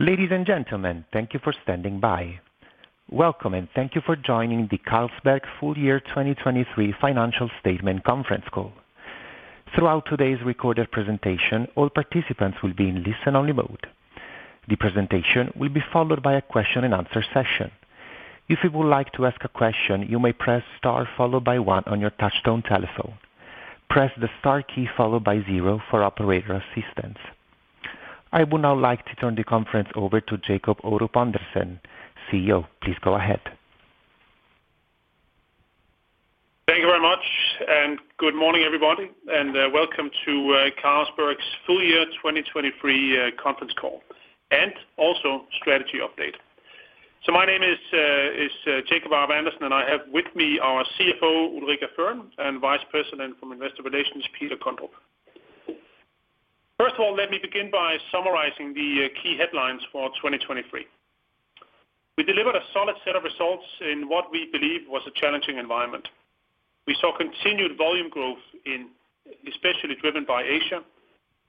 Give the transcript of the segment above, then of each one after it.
Ladies and gentlemen, thank you for standing by. Welcome, and thank you for joining the Carlsberg Full Year 2023 Financial Statement conference call. Throughout today's recorded presentation, all participants will be in listen-only mode. The presentation will be followed by a question-and-answer session. If you would like to ask a question, you may press star followed by one on your touchtone telephone. Press the star key followed by zero for operator assistance. I would now like to turn the conference over to Jacob Aarup-Andersen, CEO. Please go ahead. Thank you very much, and good morning, everybody, and welcome to Carlsberg's Full Year 2023 conference call, and also strategy update. So my name is Jacob Aarup-Andersen, and I have with me our CFO, Ulrica Fearn, and Vice President from Investor Relations, Peter Kondrup. First of all, let me begin by summarizing the key headlines for 2023. We delivered a solid set of results in what we believe was a challenging environment. We saw continued volume growth in especially driven by Asia,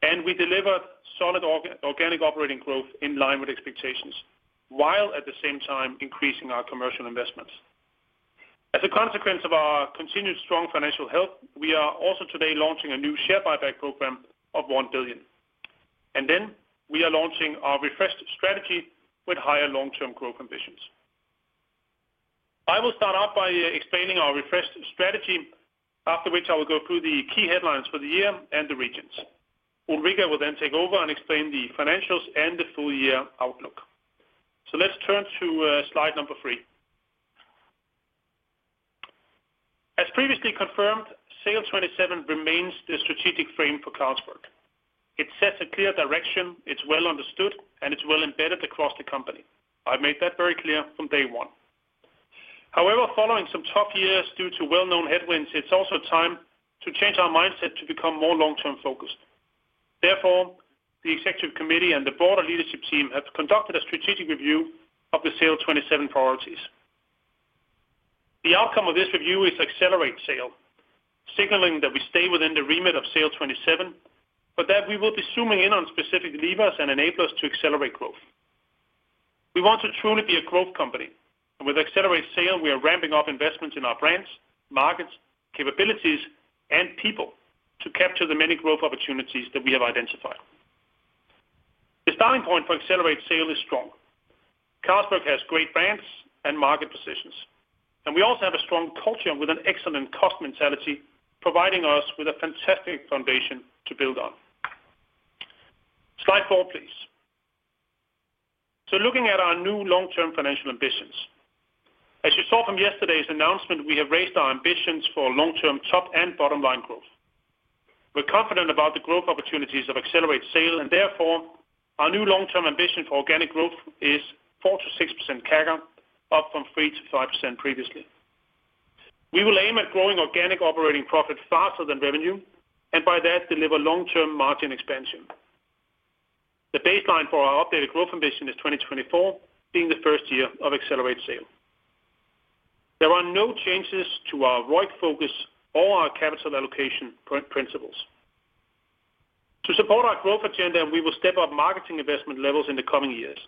and we delivered solid organic operating growth in line with expectations, while at the same time increasing our commercial investments. As a consequence of our continued strong financial health, we are also today launching a new share buyback program of 1 billion. And then we are launching our refreshed strategy with higher long-term growth ambitions. I will start off by explaining our refreshed strategy, after which I will go through the key headlines for the year and the regions. Ulrica will then take over and explain the financials and the full year outlook. So let's turn to slide number three. As previously confirmed, SAIL'27 remains the strategic frame for Carlsberg. It sets a clear direction, it's well understood, and it's well embedded across the company. I made that very clear from day one. However, following some tough years due to well-known headwinds, it's also time to change our mindset to become more long-term focused. Therefore, the executive committee and the broader leadership team have conducted a strategic review of the SAIL'27 priorities. The outcome of this review is Accelerate SAIL, signaling that we stay within the remit of SAIL'27, but that we will be zooming in on specific levers and enablers to accelerate growth. We want to truly be a growth company, and with Accelerate SAIL, we are ramping up investments in our brands, markets, capabilities, and people to capture the many growth opportunities that we have identified. The starting point for Accelerate SAIL is strong. Carlsberg has great brands and market positions, and we also have a strong culture with an excellent cost mentality, providing us with a fantastic foundation to build on. Slide 4, please. Looking at our new long-term financial ambitions. As you saw from yesterday's announcement, we have raised our ambitions for long-term top and bottom-line growth. We're confident about the growth opportunities of Accelerate SAIL, and therefore, our new long-term ambition for organic growth is 4%-6% CAGR, up from 3%-5% previously. We will aim at growing organic operating profit faster than revenue, and by that, deliver long-term margin expansion. The baseline for our updated growth ambition is 2024, being the first year of Accelerate SAIL. There are no changes to our ROIC focus or our capital allocation principles. To support our growth agenda, we will step up marketing investment levels in the coming years.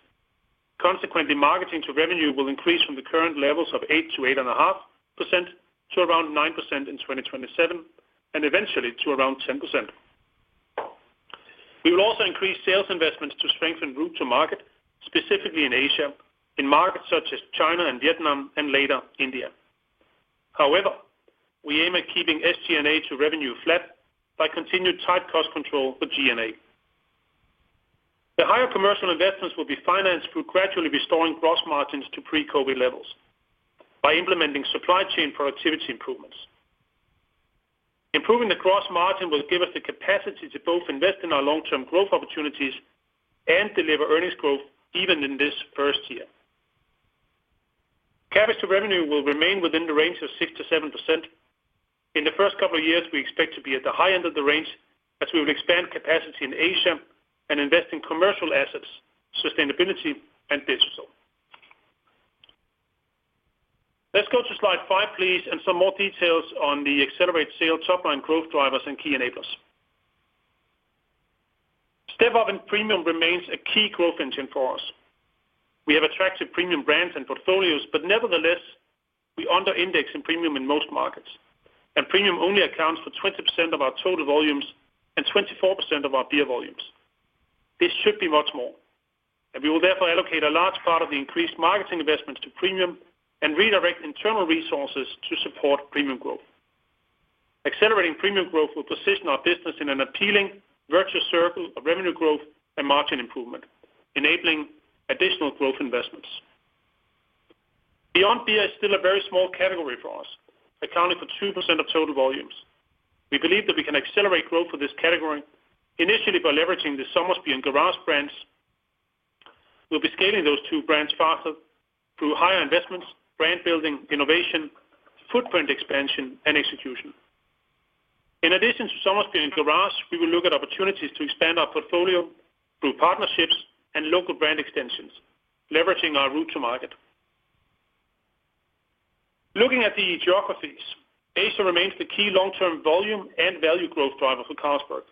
Consequently, marketing to revenue will increase from the current levels of 8%-8.5% to around 9% in 2027, and eventually to around 10%. We will also increase sales investments to strengthen route to market, specifically in Asia, in markets such as China and Vietnam and later, India. However, we aim at keeping SG&A to revenue flat by continued tight cost control for G&A. The higher commercial investments will be financed through gradually restoring gross margins to pre-COVID levels by implementing supply chain productivity improvements. Improving the gross margin will give us the capacity to both invest in our long-term growth opportunities and deliver earnings growth even in this first year. CapEx to revenue will remain within the range of 6%-7%. In the first couple of years, we expect to be at the high end of the range as we will expand capacity in Asia and invest in commercial assets, sustainability, and digital. Let's go to slide five, please, and some more details on the Accelerate SAIL top-line growth drivers and key enablers. Step-up in premium remains a key growth engine for us. We have attractive Premium brands and portfolios, but nevertheless, we under-index in premium in most markets, and premium only accounts for 20% of our total volumes and 24% of our beer volumes. This should be much more, and we will therefore allocate a large part of the increased marketing investments to premium and redirect internal resources to support premium growth. Accelerating premium growth will position our business in an appealing virtuous circle of revenue growth and margin improvement, enabling additional growth investments. Beyond Beer is still a very small category for us, accounting for 2% of total volumes. We believe that we can accelerate growth for this category, initially by leveraging the Somersby and Garage brands. We'll be scaling those two brands faster through higher investments, brand building, innovation, footprint expansion, and execution. In addition to Somersby and Garage, we will look at opportunities to expand our portfolio through partnerships and local brand extensions, leveraging our Route to Market. Looking at the geographies, Asia remains the key long-term volume and value growth driver for Carlsberg.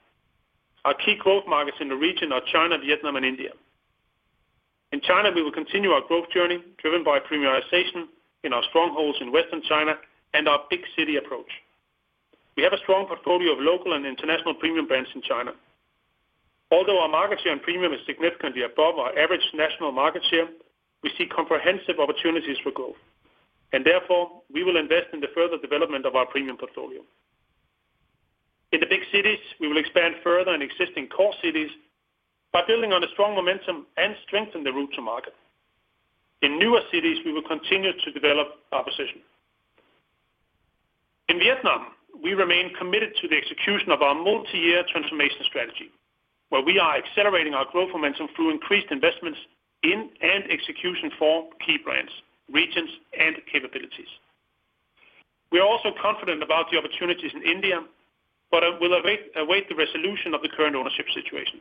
Our key growth markets in the region are China, Vietnam, and India. In China, we will continue our growth journey, driven by premiumization in our strongholds in Western China and our big city approach. We have a strong portfolio of local and international premium brands in China. Although our market share and premium is significantly above our average national market share, we see comprehensive opportunities for growth, and therefore, we will invest in the further development of our premium portfolio. In the big cities, we will expand further in existing core cities by building on a strong momentum and strengthen the route to market. In newer cities, we will continue to develop our position. In Vietnam, we remain committed to the execution of our multi-year transformation strategy, where we are accelerating our growth momentum through increased investments in and execution for key brands, regions, and capabilities. We are also confident about the opportunities in India, but we'll await the resolution of the current ownership situation.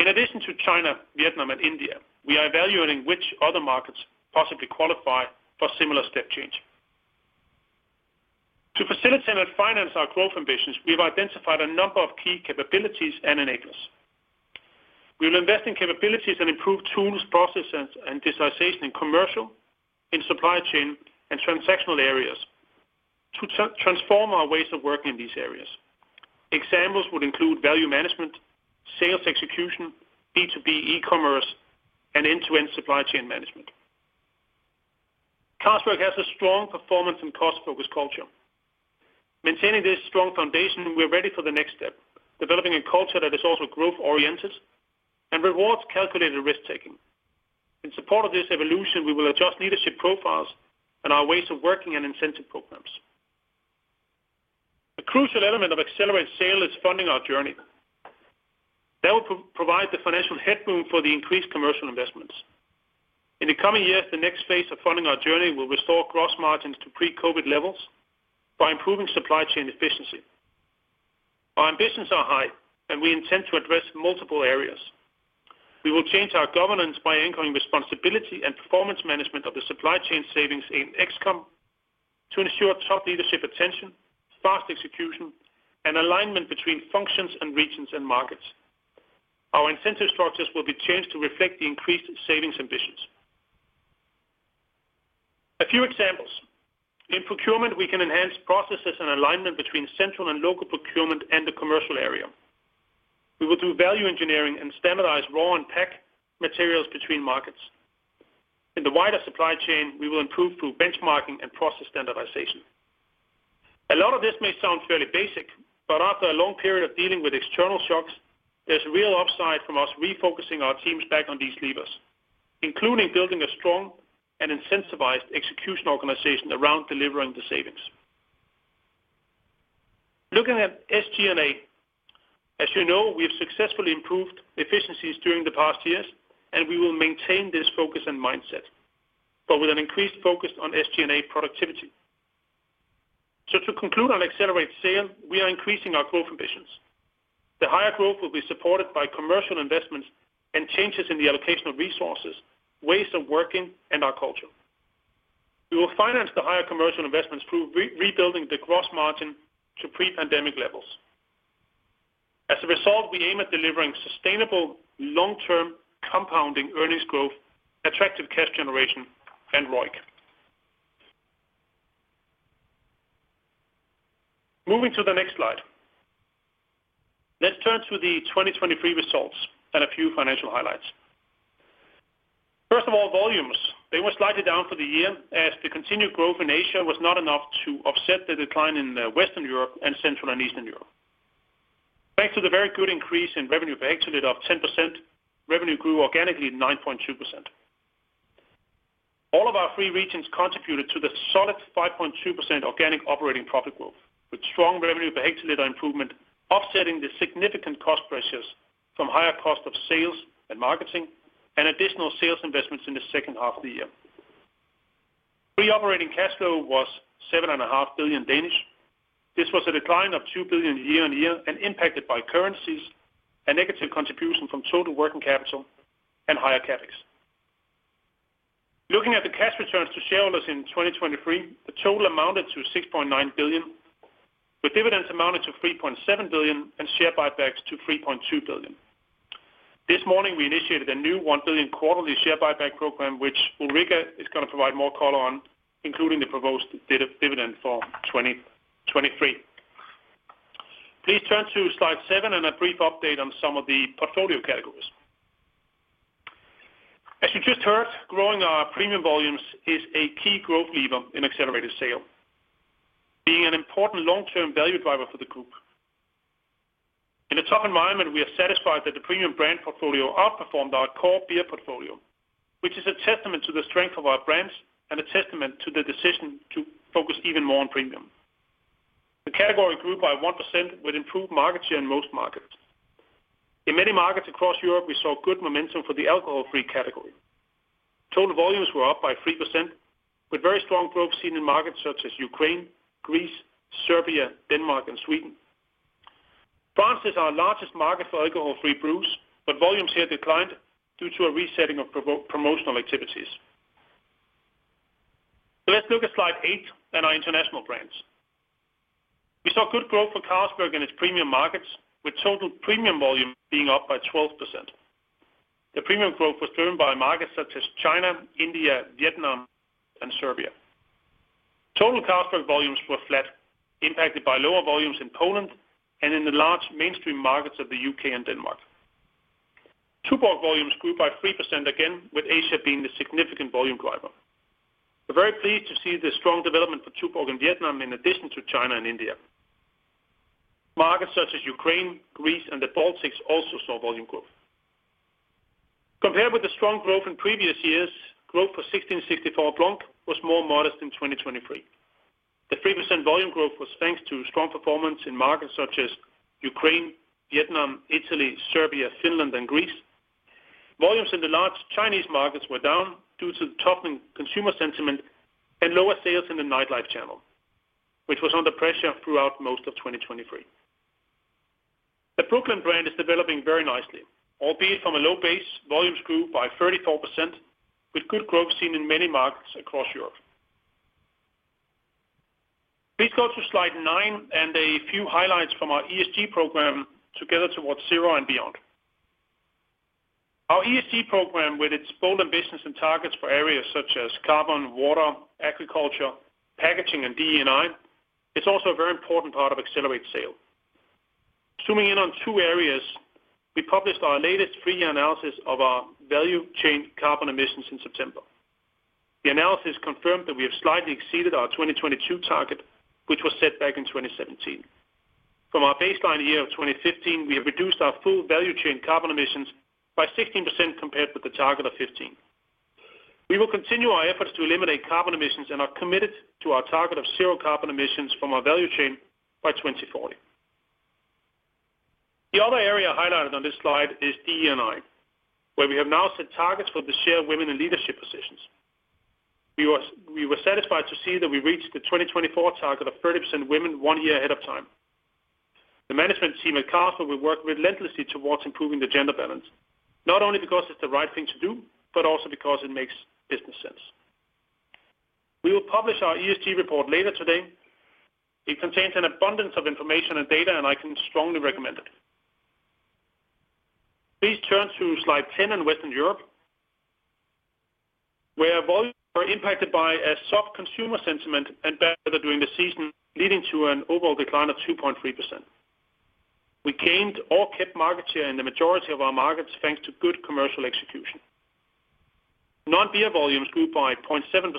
In addition to China, Vietnam, and India, we are evaluating which other markets possibly qualify for similar step change. To facilitate and finance our growth ambitions, we've identified a number of key capabilities and enablers. We'll invest in capabilities and improve tools, processes, and digitization in commercial, in supply chain, and transactional areas to transform our ways of working in these areas. Examples would include value management, sales execution, B2B e-commerce, and end-to-end supply chain management. Carlsberg has a strong performance and cost-focused culture. Maintaining this strong foundation, we're ready for the next step, developing a culture that is also growth-oriented and rewards calculated risk-taking. In support of this evolution, we will adjust leadership profiles and our ways of working and incentive programs. A crucial element of Accelerate SAIL is funding our journey. That will provide the financial headroom for the increased commercial investments. In the coming years, the next phase of funding our journey will restore gross margins to pre-COVID levels by improving supply chain efficiency. Our ambitions are high, and we intend to address multiple areas. We will change our governance by anchoring responsibility and performance management of the supply chain savings in ExCom to ensure top leadership attention, fast execution, and alignment between functions and regions and markets. Our incentive structures will be changed to reflect the increased savings ambitions. A few examples. In procurement, we can enhance processes and alignment between central and local procurement and the commercial area. We will do value engineering and standardize raw and pack materials between markets. In the wider supply chain, we will improve through benchmarking and process standardization. A lot of this may sound fairly basic, but after a long period of dealing with external shocks, there's real upside from us refocusing our teams back on these levers, including building a strong and incentivized execution organization around delivering the savings. Looking at SG&A, as you know, we have successfully improved efficiencies during the past years, and we will maintain this focus and mindset, but with an increased focus on SG&A productivity. So to conclude on Accelerate SAIL, we are increasing our growth ambitions. The higher growth will be supported by commercial investments and changes in the allocation of resources, ways of working, and our culture. We will finance the higher commercial investments through re-rebuilding the gross margin to pre-pandemic levels. As a result, we aim at delivering sustainable, long-term, compounding earnings growth, attractive cash generation, and ROIC. Moving to the next slide. Let's turn to the 2023 results and a few financial highlights. First of all, volumes. They were slightly down for the year, as the continued growth in Asia was not enough to offset the decline in Western Europe and Central and Eastern Europe. Thanks to the very good increase in revenue per hectoliter of 10%, revenue grew organically 9.2%. All of our three regions contributed to the solid 5.2% organic operating profit growth, with strong revenue per hectoliter improvement, offsetting the significant cost pressures from higher cost of sales and marketing and additional sales investments in the second half of the year. Free operating cash flow was 7.5 billion. This was a decline of 2 billion year-on-year and impacted by currencies and negative contribution from total working capital and higher CapEx. Looking at the cash returns to shareholders in 2023, the total amounted to 6.9 billion, with dividends amounted to 3.7 billion and share buybacks to 3.2 billion. This morning, we initiated a new 1 billion quarterly share buyback program, which Ulrica is going to provide more color on, including the proposed dividend for 2023. Please turn to slide seven and a brief update on some of the portfolio categories. As you just heard, growing our premium volumes is a key growth lever in Accelerate SAIL, being an important long-term value driver for the group. In a tough environment, we are satisfied that the premium brand portfolio outperformed our core beer portfolio, which is a testament to the strength of our brands and a testament to the decision to focus even more on premium. The category grew by 1% with improved market share in most markets. In many markets across Europe, we saw good momentum for the alcohol-free category. Total volumes were up by 3%, with very strong growth seen in markets such as Ukraine, Greece, Serbia, Denmark, and Sweden. France is our largest market for alcohol-free brews, but volumes here declined due to a resetting of promotional activities. So let's look at slide eight and our international brands. We saw good growth for Carlsberg in its premium markets, with total premium volume being up by 12%. The premium growth was driven by markets such as China, India, Vietnam, and Serbia. Total Carlsberg volumes were flat, impacted by lower volumes in Poland and in the large mainstream markets of the U.K. and Denmark. Tuborg volumes grew by 3% again, with Asia being the significant volume driver. We're very pleased to see the strong development for Tuborg in Vietnam, in addition to China and India. Markets such as Ukraine, Greece, and the Baltics also saw volume growth. Compared with the strong growth in previous years, growth for 1664 Blanc was more modest in 2023. The 3% volume growth was thanks to strong performance in markets such as Ukraine, Vietnam, Italy, Serbia, Finland, and Greece. Volumes in the large Chinese markets were down due to toughening consumer sentiment and lower sales in the nightlife channel, which was under pressure throughout most of 2023. The Brooklyn brand is developing very nicely, albeit from a low base, volumes grew by 34%, with good growth seen in many markets across Europe. Please go to slide nine and a few highlights from our ESG program Together Towards ZERO and Beyond. Our ESG program, with its bold ambitions and targets for areas such as carbon, water, agriculture, packaging, and D&I, is also a very important part of Accelerate SAIL. Zooming in on two areas, we published our latest three-year analysis of our value chain carbon emissions in September. The analysis confirmed that we have slightly exceeded our 2022 target, which was set back in 2017. From our baseline year of 2015, we have reduced our full value chain carbon emissions by 16% compared with the target of 15%. We will continue our efforts to eliminate carbon emissions and are committed to our target of zero carbon emissions from our value chain by 2040. The other area highlighted on this slide is DE&I, where we have now set targets for the share of women in leadership positions. We were satisfied to see that we reached the 2024 target of 30% women one year ahead of time. The management team at Carlsberg will work relentlessly towards improving the gender balance, not only because it's the right thing to do, but also because it makes business sense. We will publish our ESG report later today. It contains an abundance of information and data, and I can strongly recommend it. Please turn to slide 10 on Western Europe, where volumes were impacted by a soft consumer sentiment and bad weather during the season, leading to an overall decline of 2.3%. We gained or kept market share in the majority of our markets, thanks to good commercial execution. Non-beer volumes grew by 0.7%,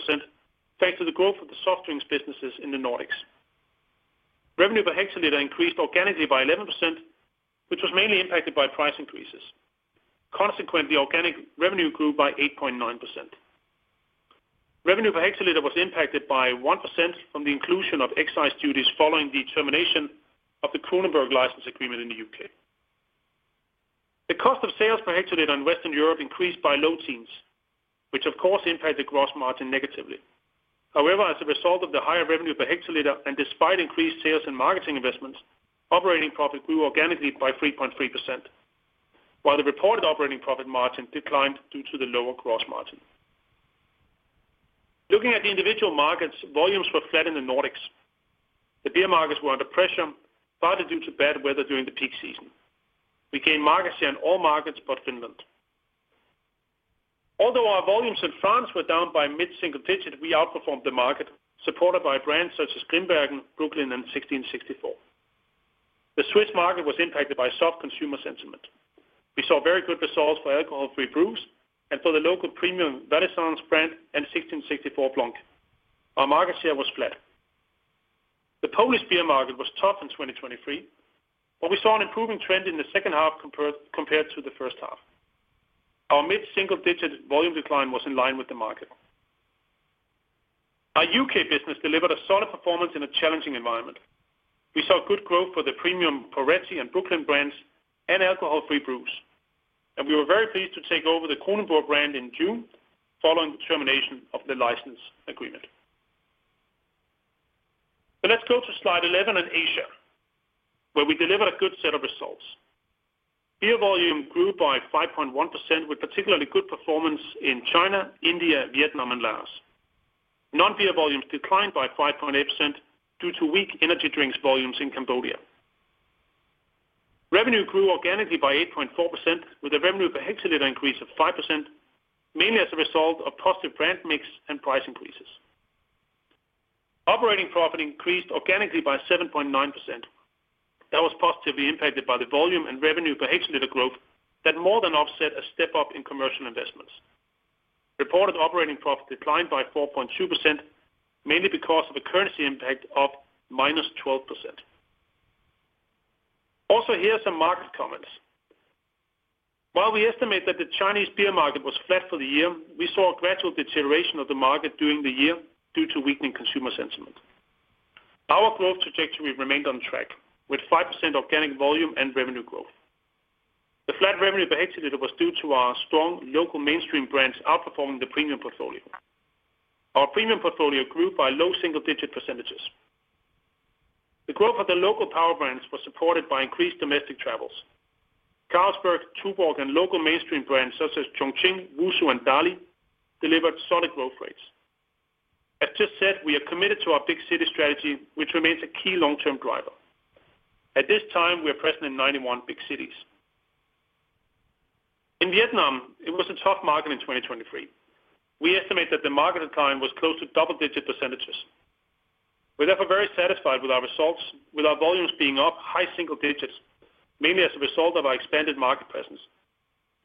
thanks to the growth of the soft drinks businesses in the Nordics. Revenue per hectoliter increased organically by 11%, which was mainly impacted by price increases. Consequently, organic revenue grew by 8.9%. Revenue per hectoliter was impacted by 1% from the inclusion of excise duties following the termination of the Kronenbourg license agreement in the U.K. The cost of sales per hectoliter in Western Europe increased by low teens, which of course impacted gross margin negatively. However, as a result of the higher revenue per hectoliter, and despite increased sales and marketing investments, operating profit grew organically by 3.3%, while the reported operating profit margin declined due to the lower gross margin. Looking at the individual markets, volumes were flat in the Nordics. The beer markets were under pressure, partly due to bad weather during the peak season. We gained market share in all markets but Finland. Although our volumes in France were down by mid-single digit, we outperformed the market, supported by brands such as Grimbergen, Brooklyn, and 1664. The Swiss market was impacted by soft consumer sentiment. We saw very good results for alcohol-free brews and for the local premium Valaisanne brand and 1664 Blanc. Our market share was flat. The Polish beer market was tough in 2023, but we saw an improving trend in the second half compared to the first half. Our mid-single-digit volume decline was in line with the market. Our UK business delivered a solid performance in a challenging environment. We saw good growth for the premium Poretti and Brooklyn brands and alcohol-free brews, and we were very pleased to take over the Kronenbourg brand in June, following the termination of the license agreement. Let's go to slide 11 in Asia, where we delivered a good set of results. Beer volume grew by 5.1%, with particularly good performance in China, India, Vietnam, and Laos. Non-beer volumes declined by 5.8% due to weak energy drinks volumes in Cambodia. Revenue grew organically by 8.4%, with a revenue per hectoliter increase of 5%, mainly as a result of positive brand mix and price increases. Operating profit increased organically by 7.9%. That was positively impacted by the volume and revenue per hectoliter growth that more than offset a step-up in commercial investments. Reported operating profit declined by 4.2%, mainly because of a currency impact of -12%. Also, here are some market comments. While we estimate that the Chinese beer market was flat for the year, we saw a gradual deterioration of the market during the year due to weakening consumer sentiment. Our growth trajectory remained on track, with 5% organic volume and revenue growth. Revenue per hectoliter was due to our strong local mainstream brands outperforming the premium portfolio. Our premium portfolio grew by low single-digit percentages. The growth of the local power brands was supported by increased domestic travels. Carlsberg, Tuborg, and local mainstream brands such as Chongqing, WuSu, and Dali delivered solid growth rates. As just said, we are committed to our Big City Strategy, which remains a key long-term driver. At this time, we are present in 91 big cities. In Vietnam, it was a tough market in 2023. We estimate that the market decline was close to double-digit percentages. We're therefore very satisfied with our results, with our volumes being up high single digits, mainly as a result of our expanded market presence.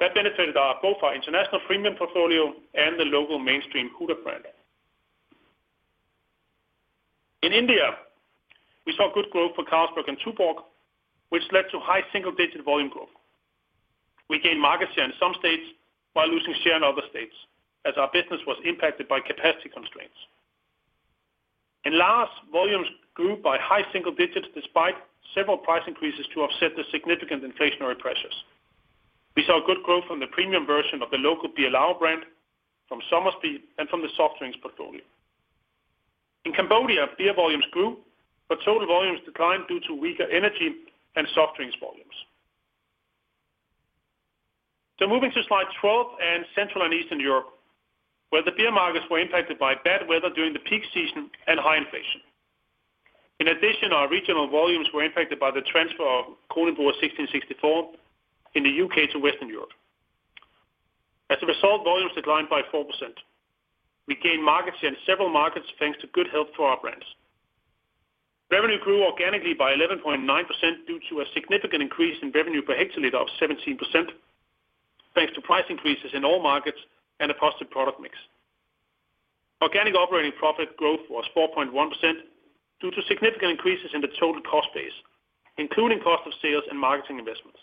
That benefited our, both our international premium portfolio and the local mainstream Huda brand. In India, we saw good growth for Carlsberg and Tuborg, which led to high single-digit volume growth. We gained market share in some states while losing share in other states, as our business was impacted by capacity constraints. In Laos, volumes grew by high single digits despite several price increases to offset the significant inflationary pressures. We saw good growth from the premium version of the local Beerlao brand, from Somersby, and from the soft drinks portfolio. In Cambodia, beer volumes grew, but total volumes declined due to weaker energy and soft drinks volumes. Moving to slide 12 and Central and Eastern Europe, where the beer markets were impacted by bad weather during the peak season and high inflation. In addition, our regional volumes were impacted by the transfer of Kronenbourg 1664 in the U.K. to Western Europe. As a result, volumes declined by 4%. We gained market share in several markets, thanks to good health to our brands. Revenue grew organically by 11.9% due to a significant increase in revenue per hectoliter of 17%, thanks to price increases in all markets and a positive product mix. Organic operating profit growth was 4.1% due to significant increases in the total cost base, including cost of sales and marketing investments.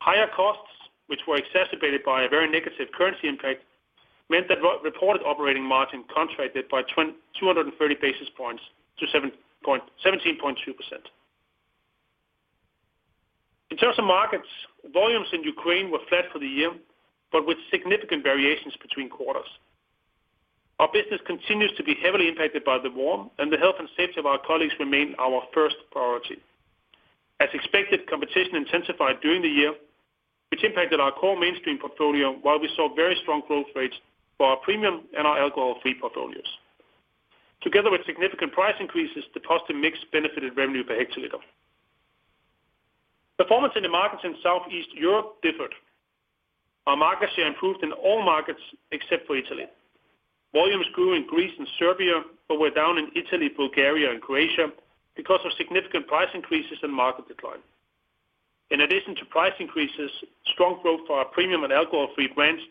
Higher costs, which were exacerbated by a very negative currency impact, meant that re-reported operating margin contracted by 230 basis points to 17.2%. In terms of markets, volumes in Ukraine were flat for the year, but with significant variations between quarters. Our business continues to be heavily impacted by the war, and the health and safety of our colleagues remain our first priority. As expected, competition intensified during the year, which impacted our core mainstream portfolio, while we saw very strong growth rates for our premium and our alcohol-free portfolios. Together with significant price increases, the positive mix benefited revenue per hectoliter. Performance in the markets in Southeast Europe differed. Our market share improved in all markets except for Italy. Volumes grew in Greece and Serbia, but were down in Italy, Bulgaria, and Croatia because of significant price increases and market decline. In addition to price increases, strong growth for our premium and alcohol-free brands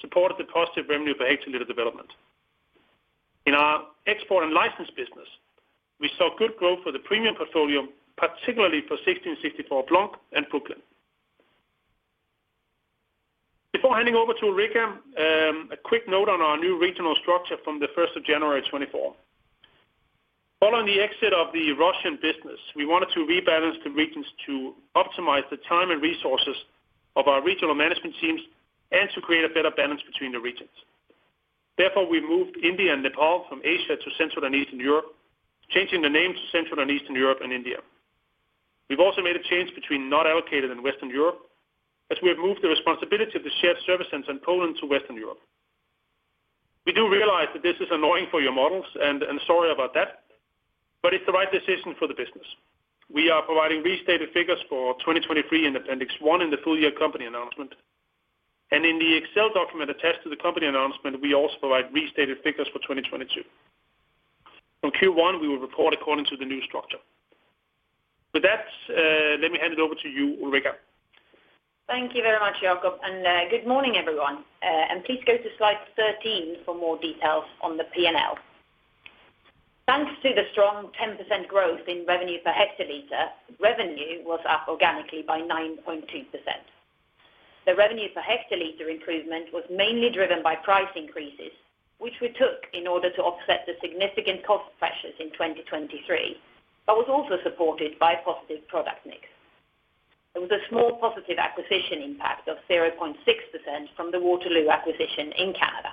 supported the positive revenue per hectoliter development. In our export and license business, we saw good growth for the premium portfolio, particularly for 1664 Blanc and Brooklyn. Before handing over to Ulrica, a quick note on our new regional structure from the first of January 2024. Following the exit of the Russian business, we wanted to rebalance the regions to optimize the time and resources of our regional management teams and to create a better balance between the regions. Therefore, we moved India and Nepal from Asia to Central and Eastern Europe, changing the name to Central and Eastern Europe and India. We've also made a change between not allocated and Western Europe, as we have moved the responsibility of the shared service center in Poland to Western Europe. We do realize that this is annoying for your models, and, and sorry about that, but it's the right decision for the business. We are providing restated figures for 2023 in Appendix 1 in the full year company announcement, and in the Excel document attached to the company announcement, we also provide restated figures for 2022. From Q1, we will report according to the new structure. With that, let me hand it over to you, Ulrica. Thank you very much, Jacob, and, good morning, everyone. And please go to slide 13 for more details on the P&L. Thanks to the strong 10% growth in revenue per hectoliter, revenue was up organically by 9.2%. The revenue per hectoliter improvement was mainly driven by price increases, which we took in order to offset the significant cost pressures in 2023, but was also supported by positive product mix. There was a small positive acquisition impact of 0.6% from the Waterloo acquisition in Canada.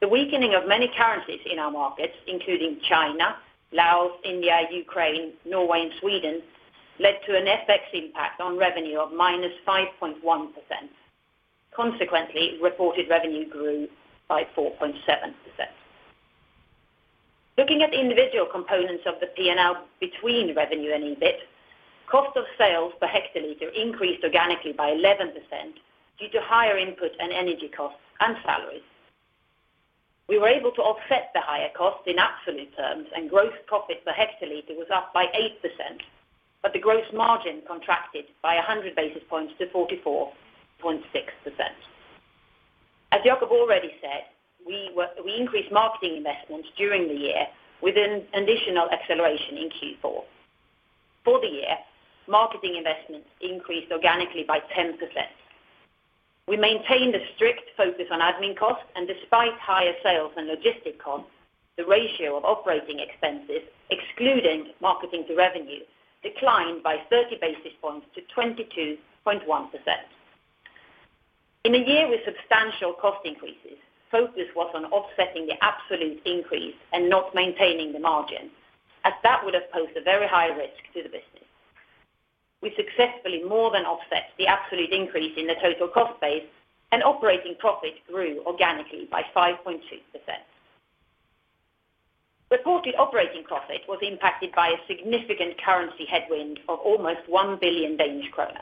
The weakening of many currencies in our markets, including China, Laos, India, Ukraine, Norway, and Sweden, led to an FX impact on revenue of -5.1%. Consequently, reported revenue grew by 4.7%. Looking at the individual components of the P&L between revenue and EBIT, cost of sales per hectoliter increased organically by 11% due to higher input and energy costs and salaries. We were able to offset the higher costs in absolute terms, and gross profit per hectoliter was up by 8%, but the gross margin contracted by 100 basis points to 44.6%. As Jacob already said, we increased marketing investments during the year with an additional acceleration in Q4. For the year, marketing investments increased organically by 10%. We maintained a strict focus on admin costs, and despite higher sales and logistic costs, the ratio of operating expenses, excluding marketing to revenue, declined by 30 basis points to 22.1%. In a year with substantial cost increases, focus was on offsetting the absolute increase and not maintaining the margin, as that would have posed a very high risk to the business. We successfully more than offset the absolute increase in the total cost base, and operating profit grew organically by 5.2%. Reported operating profit was impacted by a significant currency headwind of almost 1 billion Danish kroner,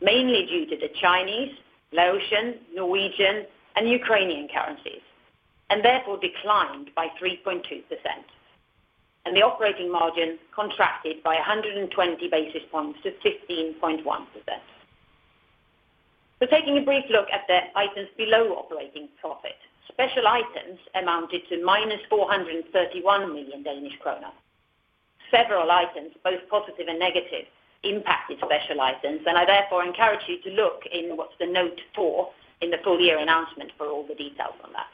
mainly due to the Chinese, Laotian, Norwegian, and Ukrainian currencies, and therefore declined by 3.2%, and the operating margin contracted by 120 basis points to 15.1%. So taking a brief look at the items below operating profit. Special items amounted to -431 million Danish kroner. Several items, both positive and negative, impacted special items, and I therefore encourage you to look in what's the note four in the full-year announcement for all the details on that.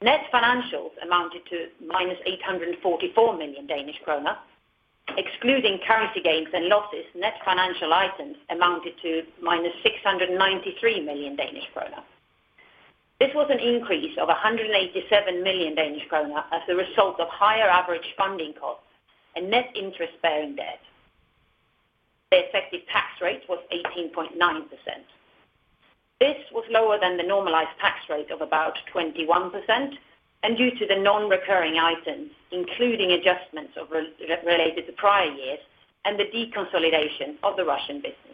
Net financials amounted to -844 million Danish kroner. Excluding currency gains and losses, net financial items amounted to -693 million Danish krone. This was an increase of 187 million Danish krone as a result of higher average funding costs and net interest-bearing debt. The effective tax rate was 18.9%. This was lower than the normalized tax rate of about 21%, and due to the non-recurring items, including adjustments or related to the prior year and the deconsolidation of the Russian business.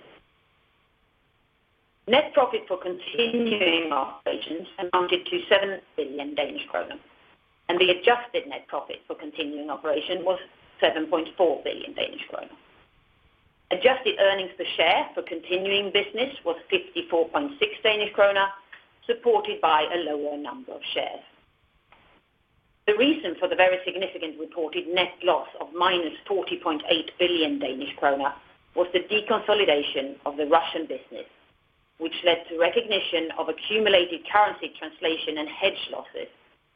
Net profit for continuing operations amounted to 7 billion Danish krone, and the adjusted net profit for continuing operation was 7.4 billion Danish krone. Adjusted earnings per share for continuing business was 54.6 Danish kroner, supported by a lower number of shares. The reason for the very significant reported net loss of -40.8 billion Danish kroner was the deconsolidation of the Russian business, which led to recognition of accumulated currency translation and hedge losses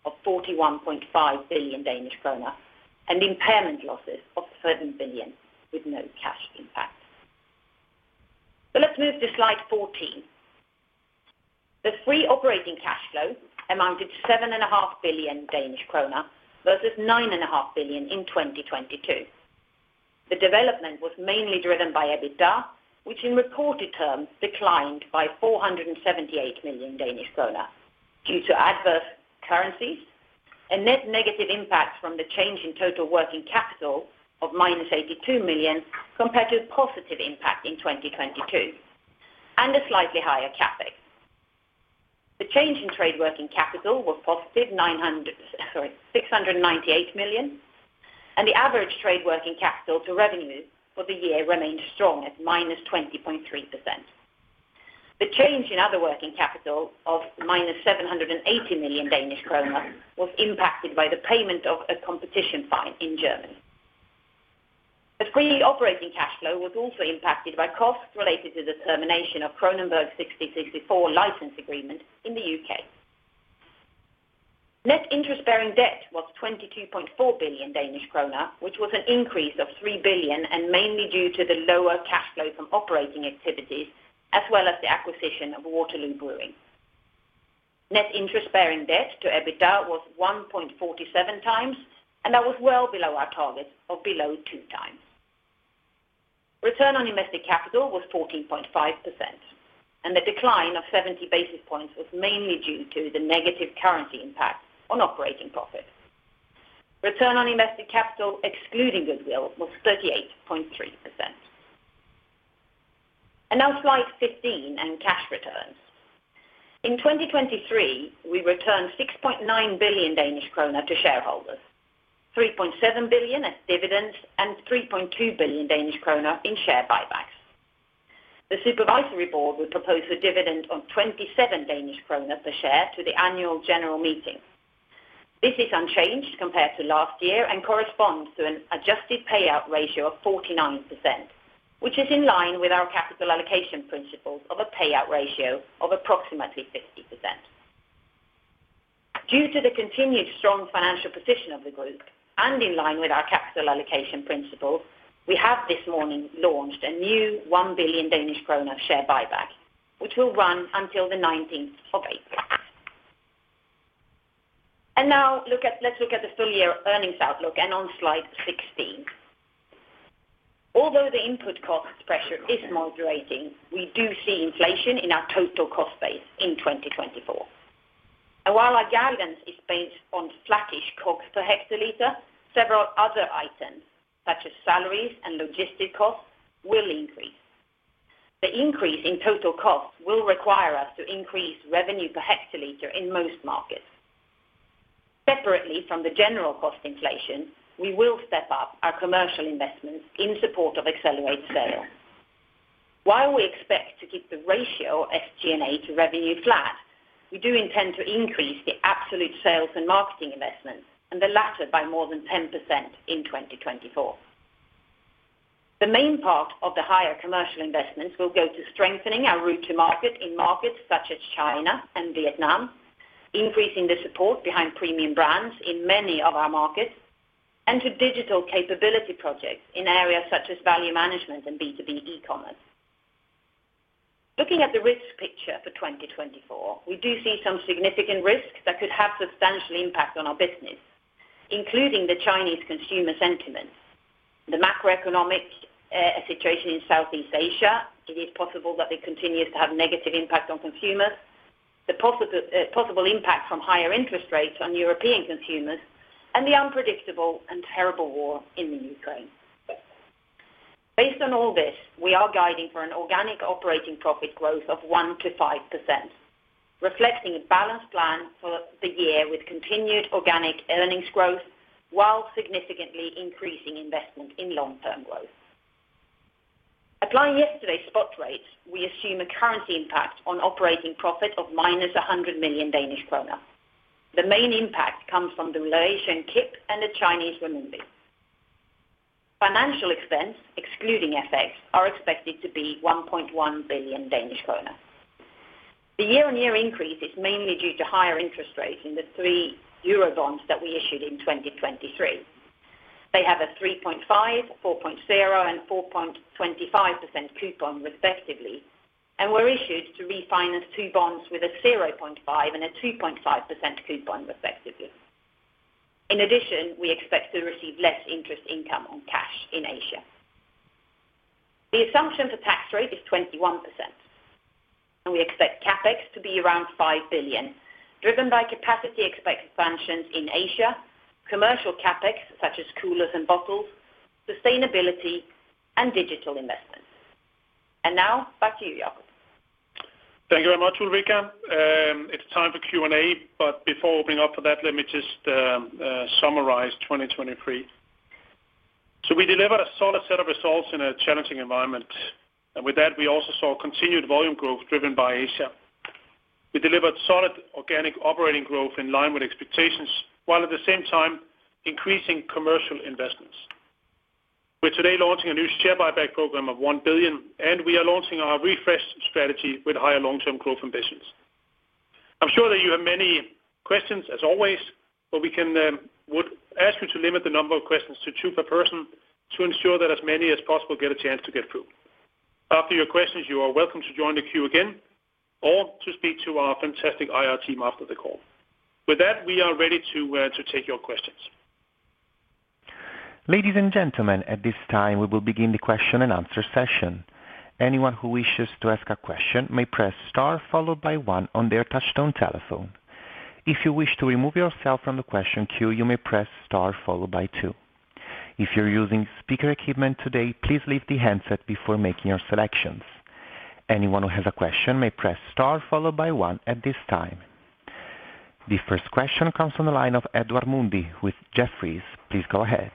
of 41.5 billion Danish krone, and impairment losses of 7 billion, with no cash impact. So let's move to slide 14. The free operating cash flow amounted to 7.5 billion Danish krone versus 9.5 billion in 2022. The development was mainly driven by EBITDA, which in reported terms declined by 478 million Danish kroner due to adverse currencies and net negative impact from the change in total working capital of -82 million, compared to a positive impact in 2022, and a slightly higher CapEx. The change in trade working capital was positive 698 million, and the average trade working capital to revenue for the year remained strong at -20.3%. The change in other working capital of -780 million Danish kroner was impacted by the payment of a competition fine in Germany. The free operating cash flow was also impacted by costs related to the termination of Kronenbourg 1664 license agreement in the U.K. Net Interest-Bearing Debt was 22.4 billion Danish krone, which was an increase of 3 billion, and mainly due to the lower cash flow from operating activities, as well as the acquisition of Waterloo Brewing. Net Interest-Bearing Debt to EBITDA was 1.47x, and that was well below our target of below 2x. Return on Invested Capital was 14.5%, and the decline of 70 basis points was mainly due to the negative currency impact on operating profit. Return on Invested Capital, excluding goodwill, was 38.3%. And now slide 15, and cash returns. In 2023, we returned 6.9 billion Danish krone to shareholders, 3.7 billion as dividends, and 3.2 billion Danish krone in share buybacks. The Supervisory Board will propose a dividend of 27 Danish kroner per share to the Annual General Meeting. This is unchanged compared to last year and corresponds to an adjusted payout ratio of 49%, which is in line with our capital allocation principles of a payout ratio of approximately 50%. Due to the continued strong financial position of the group, and in line with our capital allocation principle, we have this morning launched a new 1 billion Danish kroner share buyback, which will run until the 19th of April. And now look at, let's look at the full year earnings outlook and on slide 16. Although the input cost pressure is moderating, we do see inflation in our total cost base in 2024. And while our guidance is based on flattish COGS per hectoliter, several other items, such as salaries and logistic costs, will increase. The increase in total costs will require us to increase revenue per hectoliter in most markets. Separately from the general cost inflation, we will step up our commercial investments in support of accelerated sales. While we expect to keep the ratio of SG&A to revenue flat, we do intend to increase the absolute sales and marketing investments, and the latter by more than 10% in 2024..The main part of the higher commercial investments will go to strengthening our route to market in markets such as China and Vietnam, increasing the support behind premium brands in many of our markets, and to digital capability projects in areas such as value management and B2B e-commerce. Looking at the risk picture for 2024, we do see some significant risks that could have substantial impact on our business, including the Chinese consumer sentiment, the macroeconomic situation in Southeast Asia. It is possible that it continues to have negative impact on consumers, the possible impact from higher interest rates on European consumers, and the unpredictable and terrible war in Ukraine. Based on all this, we are guiding for an organic operating profit growth of 1%-5%, reflecting a balanced plan for the year with continued organic earnings growth, while significantly increasing investment in long-term growth. Applying yesterday's spot rates, we assume a currency impact on operating profit of -100 million Danish kroner. The main impact comes from the Laotian kip and the Chinese renminbi. Financial expense, excluding FX, are expected to be 1.1 billion Danish kroner. The year-on-year increase is mainly due to higher interest rates in the three euro bonds that we issued in 2023. They have a 3.5%, 4.0%, and 4.25% coupon respectively, and were issued to refinance two bonds with a 0.5% and a 2.5% coupon, respectively. In addition, we expect to receive less interest income on cash in Asia. The assumption for tax rate is 21%, and we expect CapEx to be around 5 billion, driven by capacity expansions in Asia, commercial CapEx, such as coolers and bottles, sustainability and digital investments. Now, back to you, Jacob. Thank you very much, Ulrica. It's time for Q&A, but before opening up for that, let me just summarize 2023. So we delivered a solid set of results in a challenging environment, and with that, we also saw continued volume growth driven by Asia. We delivered solid organic operating growth in line with expectations, while at the same time increasing commercial investments. We're today launching a new share buyback program of 1 billion, and we are launching our refreshed strategy with higher long-term growth ambitions. I'm sure that you have many questions as always, but we would ask you to limit the number of questions to two per person to ensure that as many as possible get a chance to get through. After your questions, you are welcome to join the queue again or to speak to our fantastic IR team after the call. With that, we are ready to take your questions. Ladies and gentlemen, at this time, we will begin the question and answer session. Anyone who wishes to ask a question may press star followed by one on their touchtone telephone. If you wish to remove yourself from the question queue, you may press star followed by two. If you're using speaker equipment today, please leave the handset before making your selections. Anyone who has a question may press star followed by one at this time. The first question comes from the line of Edward Mundy with Jefferies. Please go ahead.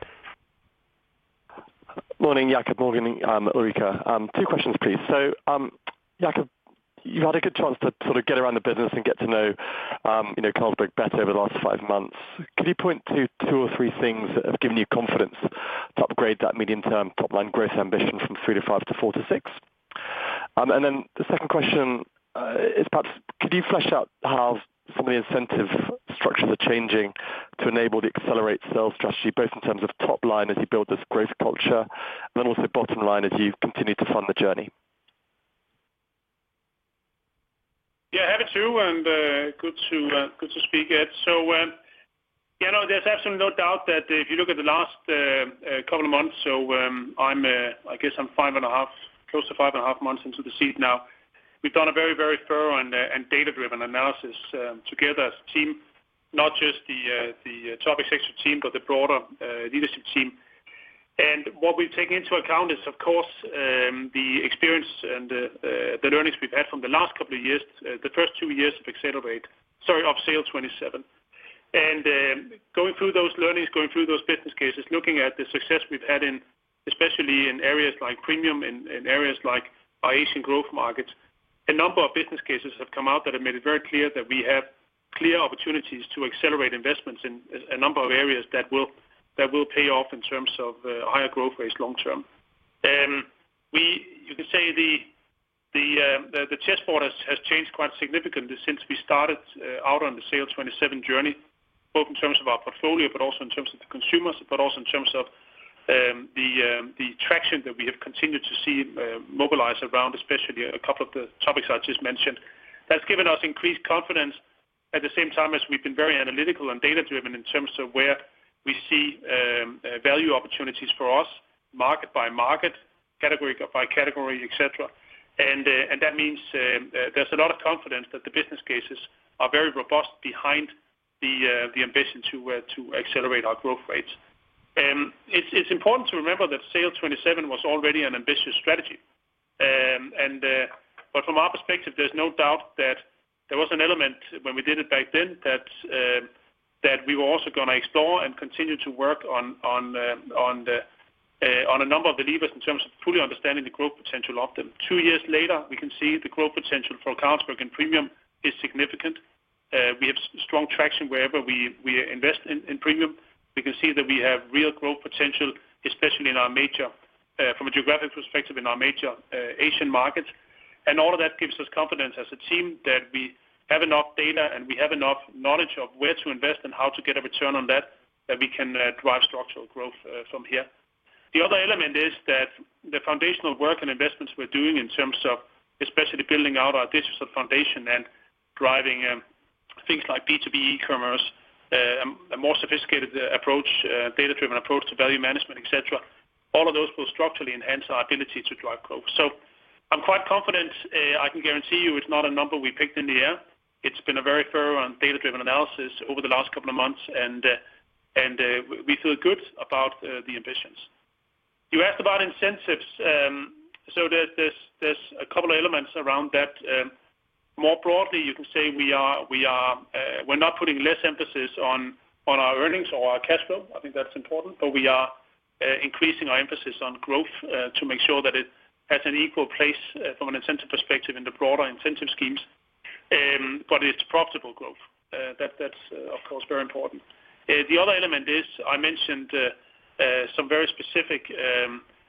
Morning, Jacob. Morning, Ulrica. Two questions, please. So, Jacob, you've had a good chance to sort of get around the business and get to know, you know, Carlsberg better over the last five months. Could you point to two or three things that have given you confidence to upgrade that medium-term top-line growth ambition from 3-5 to 4-6? And then the second question is perhaps could you flesh out how some of the incentive structures are changing to enable the accelerate sales strategy, both in terms of top line as you build this growth culture, and then also bottom line as you continue to fund the journey? Yeah, happy to, and good to speak, Ed. So, you know, there's absolutely no doubt that if you look at the last couple of months, so I'm, I guess I'm 5.5, close to 5.5 months into the seat now. We've done a very, very thorough and data-driven analysis together as a team, not just the top executive team, but the broader leadership team. And what we've taken into account is, of course, the experience and the learnings we've had from the last couple of years, the first two years of Accelerate. Sorry, of SAIL'27. Going through those learnings, going through those business cases, looking at the success we've had in, especially in areas like premium and areas like Asian growth markets, a number of business cases have come out that have made it very clear that we have clear opportunities to accelerate investments in a number of areas that will pay off in terms of higher growth rates long term. You can say the chessboard has changed quite significantly since we started out on the SAIL'27 journey, both in terms of our portfolio, but also in terms of the consumers, but also in terms of the traction that we have continued to see mobilize around, especially a couple of the topics I just mentioned, has given us increased confidence at the same time as we've been very analytical and data-driven in terms of where we see value opportunities for us, market by market, category by category, et cetera. And that means there's a lot of confidence that the business cases are very robust behind the ambition to accelerate our growth rates. It's important to remember that SAIL'27 was already an ambitious strategy. But from our perspective, there's no doubt that there was an element when we did it back then that we were also gonna explore and continue to work on a number of the levers in terms of fully understanding the growth potential of them. Two years later, we can see the growth potential for Carlsberg and premium is significant. We have strong traction wherever we invest in premium. We can see that we have real growth potential, especially in our major, from a geographic perspective, in our major Asian markets. And all of that gives us confidence as a team that we have enough data, and we have enough knowledge of where to invest and how to get a return on that, that we can drive structural growth from here. The other element is that the foundational work and investments we're doing in terms of especially building out our digital foundation and driving things like B2B e-commerce, a more sophisticated approach, data-driven approach to value management, et cetera, all of those will structurally enhance our ability to drive growth. So I'm quite confident, I can guarantee you it's not a number we picked in the air. It's been a very thorough and data-driven analysis over the last couple of months, and we feel good about the ambitions. You asked about incentives. So there's a couple of elements around that. More broadly, you can say we are, we're not putting less emphasis on our earnings or our cash flow. I think that's important, but we are increasing our emphasis on growth to make sure that it has an equal place from an incentive perspective in the broader incentive schemes. But it's profitable growth. That's, of course, very important. The other element is, I mentioned, some very specific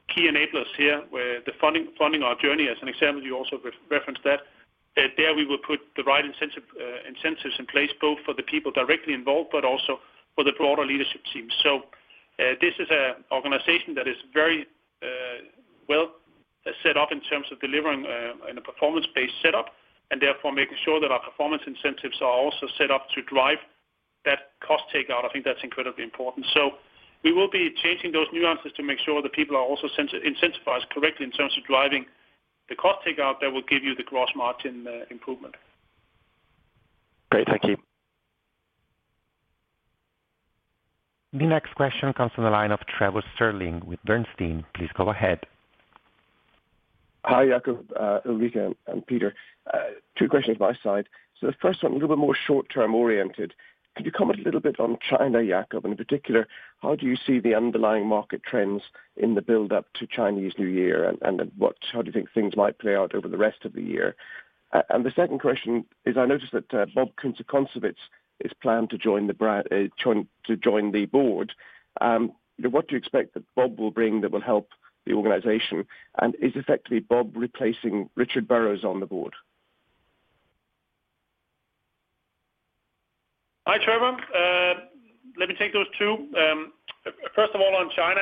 key enablers here, where the funding our journey, as an example, you also referenced that. There, we will put the right incentives in place, both for the people directly involved, but also for the broader leadership team. So, this is a organization that is very well set up in terms of delivering in a performance-based setup, and therefore making sure that our performance incentives are also set up to drive that cost takeout. I think that's incredibly important. We will be changing those nuances to make sure that people are also incentivized correctly in terms of driving the cost takeout that will give you the gross margin improvement. Great, thank you. The next question comes from the line of Trevor Stirling with Bernstein. Please go ahead. Hi, Jacob, Ulrica, and Peter. Two questions my side. So the first one, a little bit more short-term oriented. Could you comment a little bit on China, Jacob? And in particular, how do you see the underlying market trends in the build-up to Chinese New Year, and then what do you think things might play out over the rest of the year? And the second question is, I noticed that Bob Kunze-Concewitz is planned to join the board. What do you expect that Bob will bring that will help the organization? And is effectively Bob replacing Richard Burrows on the board? Hi, Trevor. Let me take those two. First of all, on China,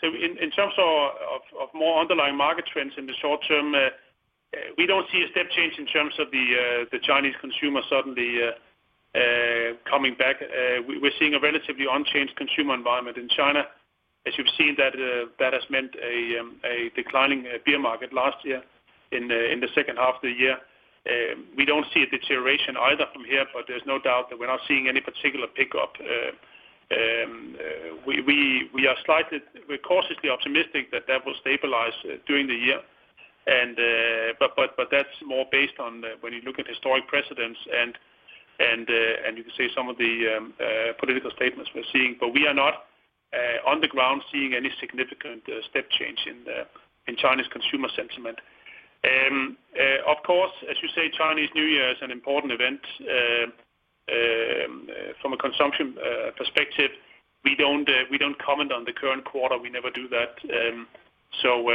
so in terms of more underlying market trends in the short term, we don't see a step change in terms of the Chinese consumer suddenly coming back. We're seeing a relatively unchanged consumer environment in China. As you've seen, that has meant a declining beer market last year in the second half of the year. We don't see a deterioration either from here, but there's no doubt that we're not seeing any particular pickup. We are slightly. We're cautiously optimistic that that will stabilize during the year, and, but that's more based on, when you look at historic precedents and, and you can see some of the political statements we're seeing. But we are not on the ground seeing any significant step change in Chinese consumer sentiment. Of course, as you say, Chinese New Year is an important event from a consumption perspective. We don't comment on the current quarter. We never do that. So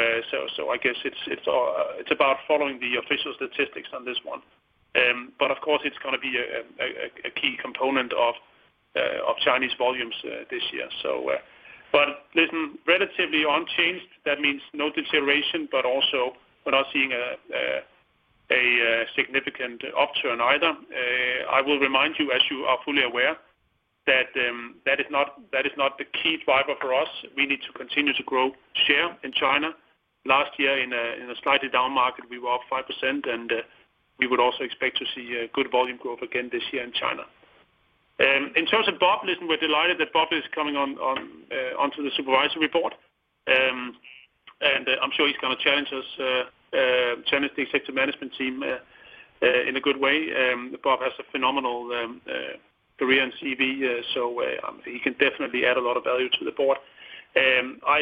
I guess it's about following the official statistics on this one. But of course, it's gonna be a key component of Chinese volumes this year, so. But listen, relatively unchanged, that means no deterioration, but also we're not seeing a significant upturn either. I will remind you, as you are fully aware, that that is not the key driver for us. We need to continue to grow share in China. Last year, in a slightly down market, we were up 5%, and we would also expect to see a good volume growth again this year in China. In terms of Bob, listen, we're delighted that Bob is coming on onto the Supervisory Board. And I'm sure he's gonna challenge us, challenge the executive management team, in a good way. Bob has a phenomenal career and CV, so he can definitely add a lot of value to the board. That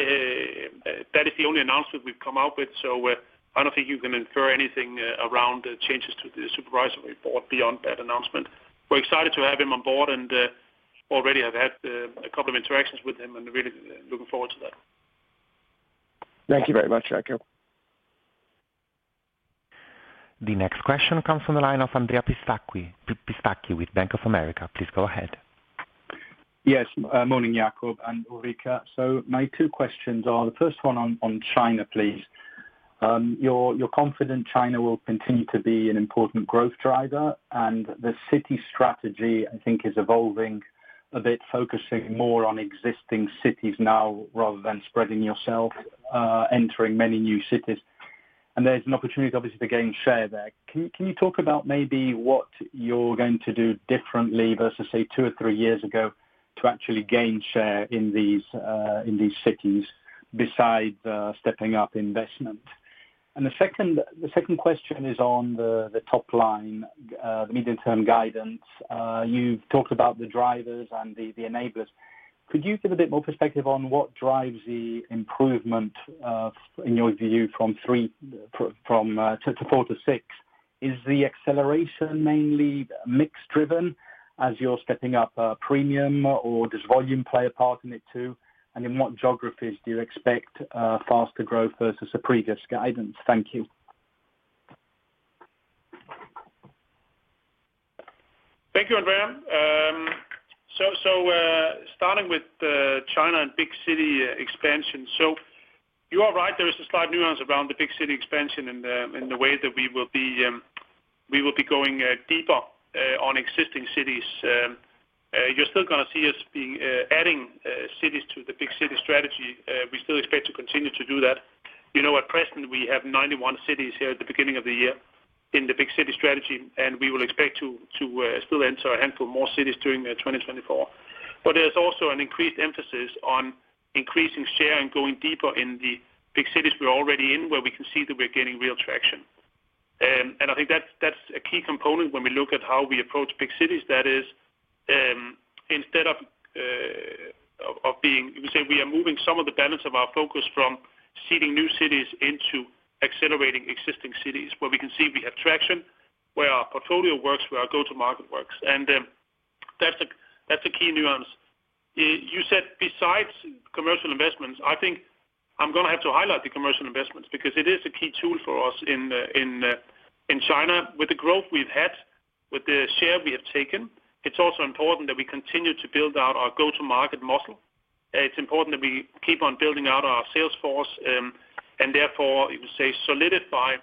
is the only announcement we've come out with, so I don't think you can infer anything around changes to the supervisory board beyond that announcement. We're excited to have him on board, and already I've had a couple of interactions with him and really looking forward to that. Thank you very much, Jacob. The next question comes from the line of Andrea Pistacchi, Pistacchi with Bank of America. Please go ahead. Yes. Morning, Jacob and Ulrica. So my two questions are, the first one on China, please. You're confident China will continue to be an important growth driver, and the city strategy, I think, is evolving a bit, focusing more on existing cities now rather than spreading yourself, entering many new cities. And there's an opportunity, obviously, to gain share there. Can you talk about maybe what you're going to do differently versus, say, twthree or 3 years ago, to actually gain share in these cities besides stepping up investment? And the second question is on the top line, the medium-term guidance. You've talked about the drivers and the enablers. Could you give a bit more perspective on what drives the improvement, in your view, from three, from to four to six? Is the acceleration mainly mix driven as you're stepping up premium, or does volume play a part in it too? And in what geographies do you expect faster growth versus the previous guidance? Thank you. Thank you, Andrea. So, starting with the China and big city expansion. So you are right, there is a slight nuance around the big city expansion in the way that we will be going deeper on existing cities. You're still gonna see us being adding cities to the big city strategy. We still expect to continue to do that. You know, at present, we have 91 cities here at the beginning of the year in the big city strategy, and we will expect to still enter a handful more cities during 2024. But there's also an increased emphasis on increasing share and going deeper in the big cities we're already in, where we can see that we're gaining real traction. And I think that's, that's a key component when we look at how we approach big cities. That is, instead of being, we say we are moving some of the balance of our focus from seeding new cities into accelerating existing cities, where we can see we have traction, where our portfolio works, where our go-to-market works. And, that's the, that's the key nuance. You said besides commercial investments, I think I'm gonna have to highlight the commercial investments, because it is a key tool for us in China. With the growth we've had, with the share we have taken, it's also important that we continue to build out our go-to-market model. It's important that we keep on building out our sales force, and therefore, you could say, solidify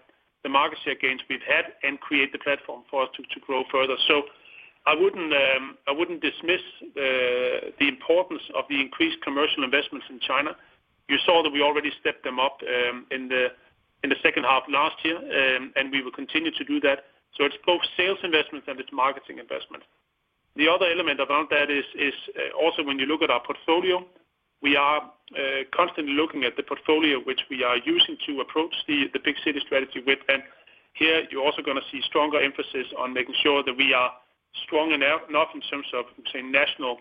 the market share gains we've had and create the platform for us to, to grow further. So I wouldn't, I wouldn't dismiss, the importance of the increased commercial investments in China. You saw that we already stepped them up, in the, in the second half of last year, and we will continue to do that. So it's both sales investments and it's marketing investment. The other element around that is, is, also when you look at our portfolio, we are, constantly looking at the portfolio which we are using to approach the, the big city strategy with. Here, you're also gonna see stronger emphasis on making sure that we are strong enough, enough in terms of, say, national,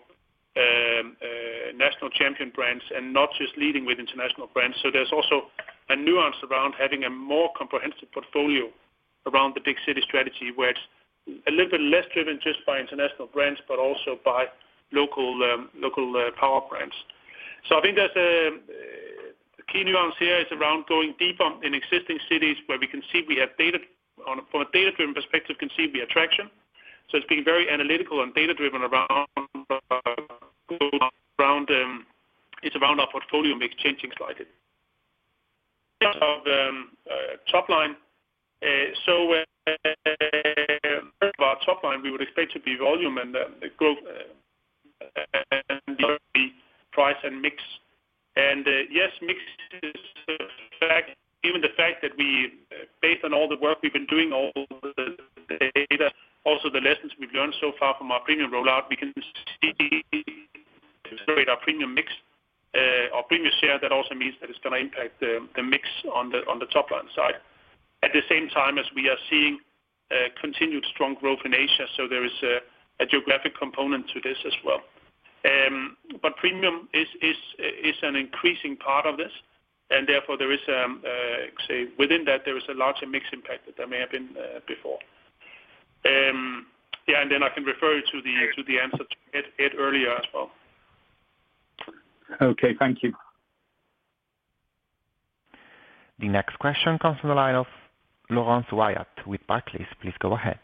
national champion brands and not just leading with international brands. So there's also a nuance around having a more comprehensive portfolio around the big city strategy, where it's a little bit less driven just by international brands, but also by local, local, power brands. So I think that, key nuance here is around going deeper in existing cities where we can see we have data- on a, from a data-driven perspective, can see the attraction. So it's been very analytical and data-driven around, around, it's around our portfolio mix changing slightly. Top line, so, our top line, we would expect to be volume and, growth and price and mix. Yes, mix is given the fact that we, based on all the work we've been doing, all the data, also the lessons we've learned so far from our premium rollout, we can see our premium mix, our premium share. That also means that it's gonna impact the mix on the top line side. At the same time as we are seeing continued strong growth in Asia, so there is a geographic component to this as well. But premium is an increasing part of this, and therefore there is, within that, a larger mix impact than there may have been before. And then I can refer you to the answer to Ed earlier as well. Okay, thank you. The next question comes from the line of Laurence Whyatt with Barclays. Please go ahead.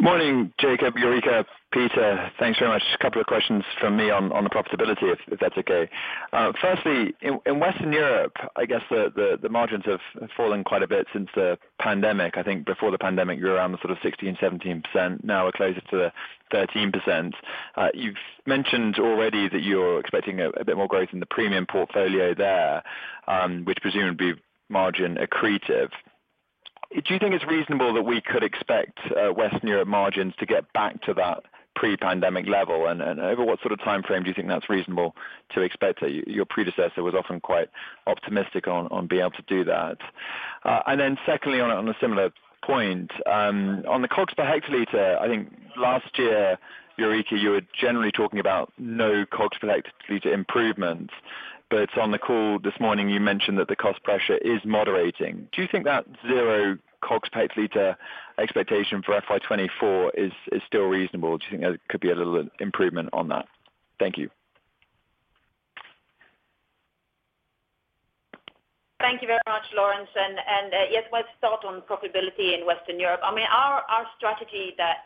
Morning, Jacob, Ulrica, Peter. Thanks very much. A couple of questions from me on the profitability, if that's okay. Firstly, in Western Europe, I guess the margins have fallen quite a bit since the pandemic. I think before the pandemic, you were around the sort of 16%-17%, now we're closer to the 13%. You've mentioned already that you're expecting a bit more growth in the premium portfolio there, which presumably be margin accretive. Do you think it's reasonable that we could expect Western Europe margins to get back to that pre-pandemic level? And over what sort of timeframe do you think that's reasonable to expect? Your predecessor was often quite optimistic on being able to do that. And then secondly, on a similar point, on the COGS per hectoliter, I think last year, Ulrica, you were generally talking about no COGS per hectoliter improvements, but on the call this morning, you mentioned that the cost pressure is moderating. Do you think that zero COGS per hectoliter expectation for FY 2024 is still reasonable? Do you think there could be a little improvement on that? Thank you. Thank you very much, Laurence. Yes, let's start on profitability in Western Europe. I mean, our strategy that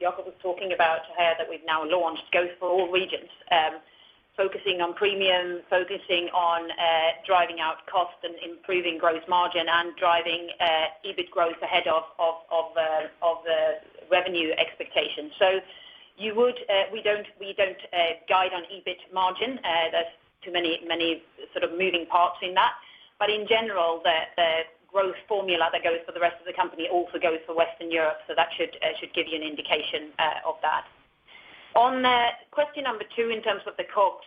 Jacob was talking about here, that we've now launched, goes for all regions. Focusing on premium, focusing on driving out cost and improving gross margin, and driving EBIT growth ahead of the revenue expectations. So, we don't guide on EBIT margin. There's too many sort of moving parts in that. But in general, the growth formula that goes for the rest of the company also goes for Western Europe, so that should give you an indication of that. On question number two, in terms of the COGS,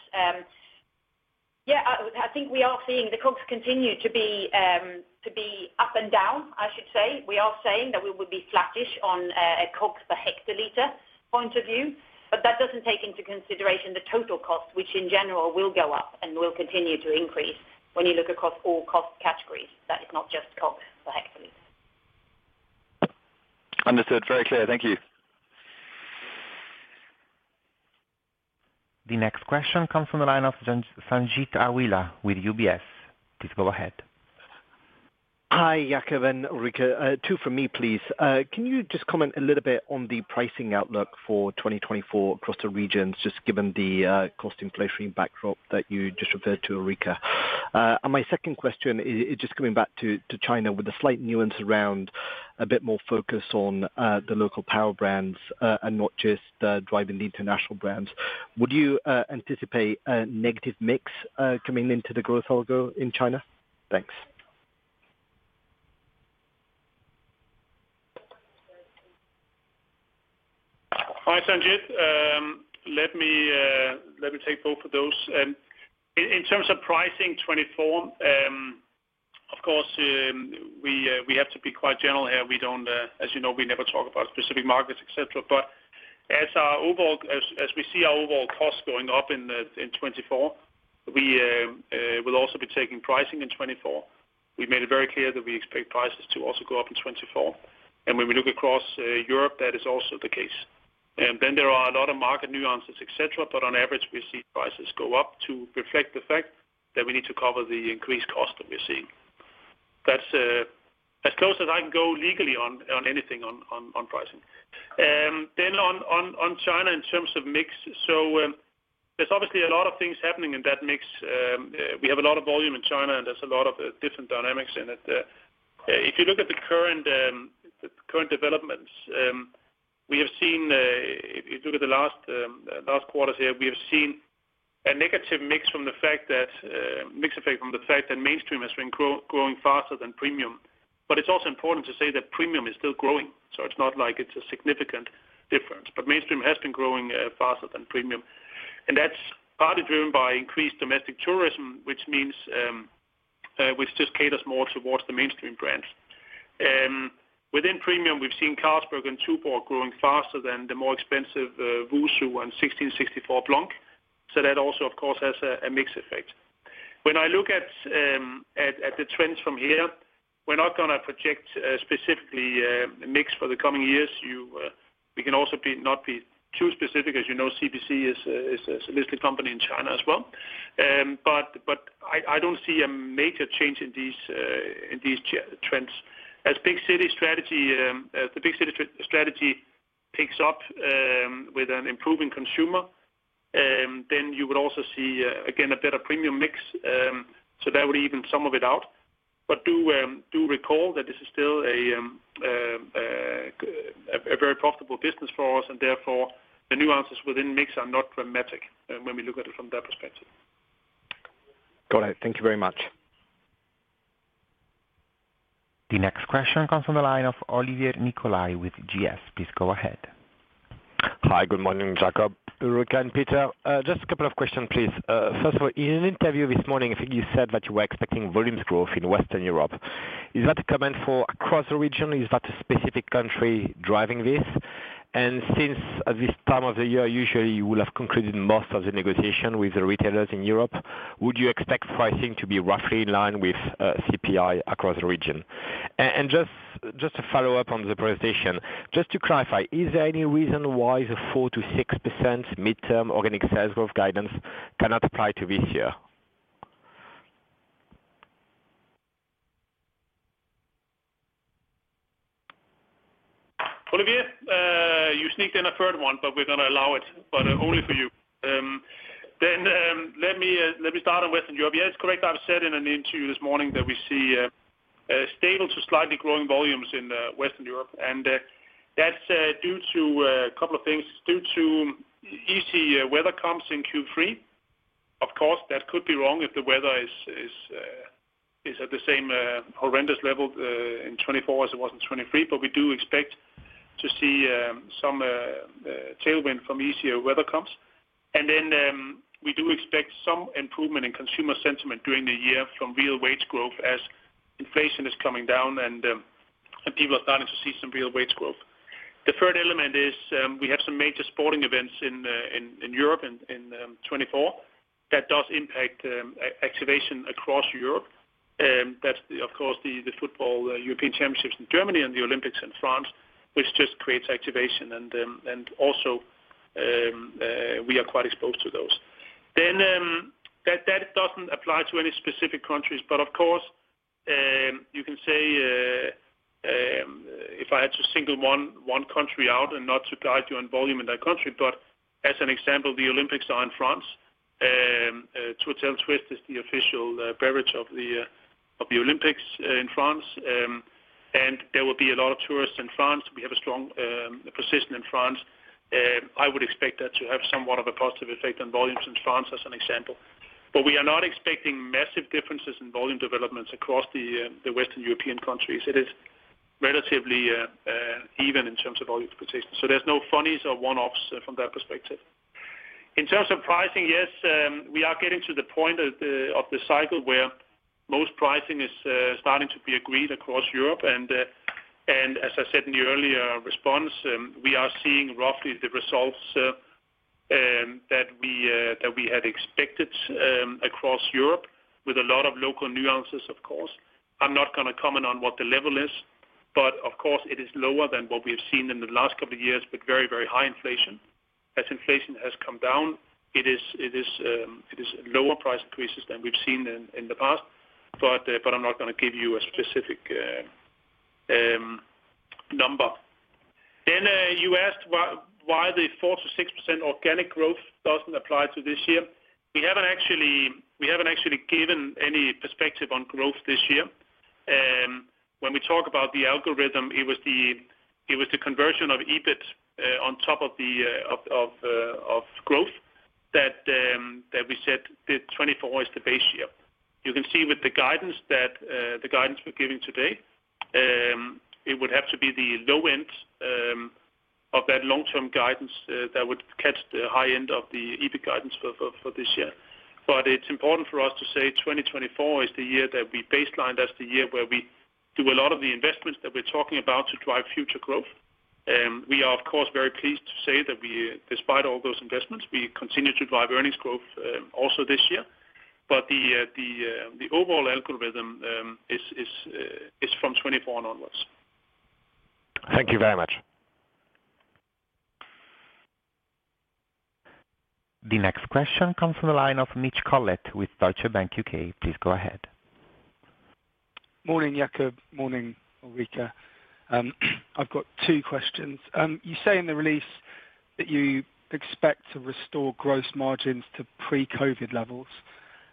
yeah, I, I think we are seeing the COGS continue to be, to be up and down, I should say. We are saying that we will be flattish on a COGS per hectoliter point of view, but that doesn't take into consideration the total cost, which in general will go up and will continue to increase when you look across all cost categories, that is not just COGS per hectoliter. Understood. Very clear. Thank you. The next question comes from the line of Sanjeet Aujla with UBS. Please go ahead. Hi, Jacob and Ulrica, two from me, please. Can you just comment a little bit on the pricing outlook for 2024 across the regions, just given the cost inflationary backdrop that you just referred to, Ulrica? And my second question is just coming back to China with a slight nuance around a bit more focus on the local power brands and not just driving the international brands. Would you anticipate a negative mix coming into the growth algo in China? Thanks. Hi, Sanjeet. Let me take both of those. In terms of pricing 2024, of course, we have to be quite general here. We don't, as you know, we never talk about specific markets, et cetera. But as our overall, as we see our overall costs going up in 2024, we will also be taking pricing in 2024. We've made it very clear that we expect prices to also go up in 2024, and when we look across Europe, that is also the case. Then there are a lot of market nuances, et cetera, but on average, we see prices go up to reflect the fact that we need to cover the increased cost that we're seeing. That's as close as I can go legally on anything on pricing. Then on China, in terms of mix, so there's obviously a lot of things happening in that mix. We have a lot of volume in China, and there's a lot of different dynamics in it. If you look at the current developments, we have seen, if you look at the last quarter here, we have seen a negative mix effect from the fact that mainstream has been growing faster than premium. But it's also important to say that premium is still growing, so it's not like it's a significant difference. But mainstream has been growing faster than premium, and that's partly driven by increased domestic tourism, which means, which just caters more towards the mainstream brands. Within premium, we've seen Carlsberg and Tuborg growing faster than the more expensive WuSu and 1664 Blanc. So that also, of course, has a mix effect. When I look at the trends from here, we're not going to project specifically a mix for the coming years. We can also not be too specific, as you know, CBC is a listed company in China as well. But I don't see a major change in these trends. As big city strategy, as the big city strategy picks up, with an improving consumer, then you would also see again a better premium mix. So that would even some of it out. But do recall that this is still a very profitable business for us, and therefore, the nuances within mix are not dramatic when we look at it from that perspective. Got it. Thank you very much. The next question comes from the line of Olivier Nicolai with GS. Please go ahead. Hi, good morning, Jacob, Ulrica, and Peter. Just a couple of questions, please. First of all, in an interview this morning, I think you said that you were expecting volumes growth in Western Europe. Is that a comment for across the region, or is that a specific country driving this? And since at this time of the year, usually you will have concluded most of the negotiation with the retailers in Europe, would you expect pricing to be roughly in line with CPI across the region? And just, just to follow up on the presentation, just to clarify, is there any reason why the 4%-6% mid-term organic sales growth guidance cannot apply to this year? Olivier, you sneaked in a third one, but we're going to allow it, but only for you. Then, let me start on Western Europe. Yeah, it's correct. I've said in an interview this morning that we see stable to slightly growing volumes in Western Europe, and that's due to a couple of things. Due to easy weather comps in Q3. Of course, that could be wrong if the weather is at the same horrendous level in 2024 as it was in 2023, but we do expect to see some tailwind from easier weather comps. And then, we do expect some improvement in consumer sentiment during the year from real wage growth as inflation is coming down, and people are starting to see some real wage growth. The third element is, we have some major sporting events in Europe in 2024. That does impact activation across Europe, that's the, of course, the football European Championships in Germany and the Olympics in France, which just creates activation, and also, we are quite exposed to those. Then, that doesn't apply to any specific countries, but of course, you can say, if I had to single one country out and not surprise you on volume in that country, but as an example, the Olympics are in France. Tourtel Twist is the official beverage of the Olympics in France, and there will be a lot of tourists in France. We have a strong position in France. I would expect that to have somewhat of a positive effect on volumes in France, as an example. But we are not expecting massive differences in volume developments across the Western European countries. It is relatively even in terms of volume expectation. So there's no funnies or one-offs from that perspective. In terms of pricing, yes, we are getting to the point of the cycle where most pricing is starting to be agreed across Europe. And as I said in the earlier response, we are seeing roughly the results that we had expected across Europe, with a lot of local nuances, of course. I'm not gonna comment on what the level is, but of course, it is lower than what we have seen in the last couple of years, with very, very high inflation. As inflation has come down, it is lower price increases than we've seen in the past, but I'm not gonna give you a specific number. Then, you asked why the 4%-6% Organic Growth doesn't apply to this year? We haven't actually given any perspective on growth this year. When we talk about the algorithm, it was the conversion of EBIT on top of the growth that we said the 2024 is the base year. You can see with the guidance that, the guidance we're giving today, it would have to be the low end, of that long-term guidance, that would catch the high end of the EBIT guidance for this year. But it's important for us to say 2024 is the year that we baseline. That's the year where we do a lot of the investments that we're talking about to drive future growth. We are of course very pleased to say that we, despite all those investments, we continue to drive earnings growth, also this year. But the overall algorithm is from 2024 onwards. Thank you very much. The next question comes from the line of Mitch Collett with Deutsche Bank UK. Please go ahead. Morning, Jacob. Morning, Ulrica. I've got two questions. You say in the release that you expect to restore gross margins to pre-COVID levels,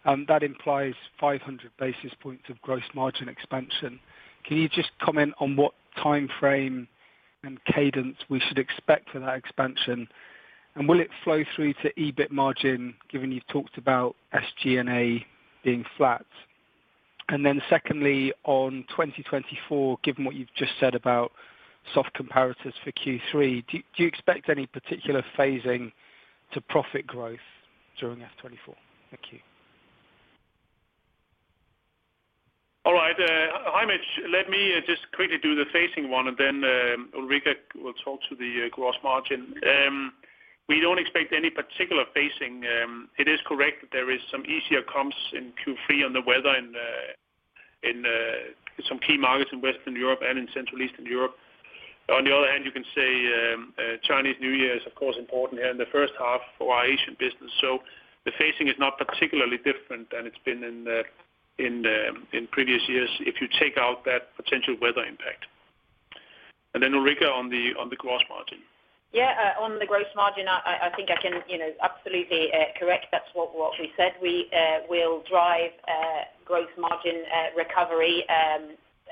and that implies 500 basis points of gross margin expansion. Can you just comment on what time frame and cadence we should expect for that expansion? And will it flow through to EBIT margin, given you've talked about SG&A being flat? And then secondly, on 2024, given what you've just said about soft comparators for Q3, do you expect any particular phasing to profit growth during FY 2024? Thank you. All right, hi, Mitch. Let me just quickly do the phasing one, and then Ulrica will talk to the gross margin. We don't expect any particular phasing. It is correct that there is some easier comps in Q3 on the weather in some key markets in Western Europe and in Central Eastern Europe. On the other hand, you can say, Chinese New Year is, of course, important here in the first half for our Asian business. So the phasing is not particularly different than it's been in previous years, if you take out that potential weather impact. And then Ulrica, on the gross margin. Yeah, on the gross margin, I think I can, you know, absolutely correct. That's what we said. We will drive gross margin recovery,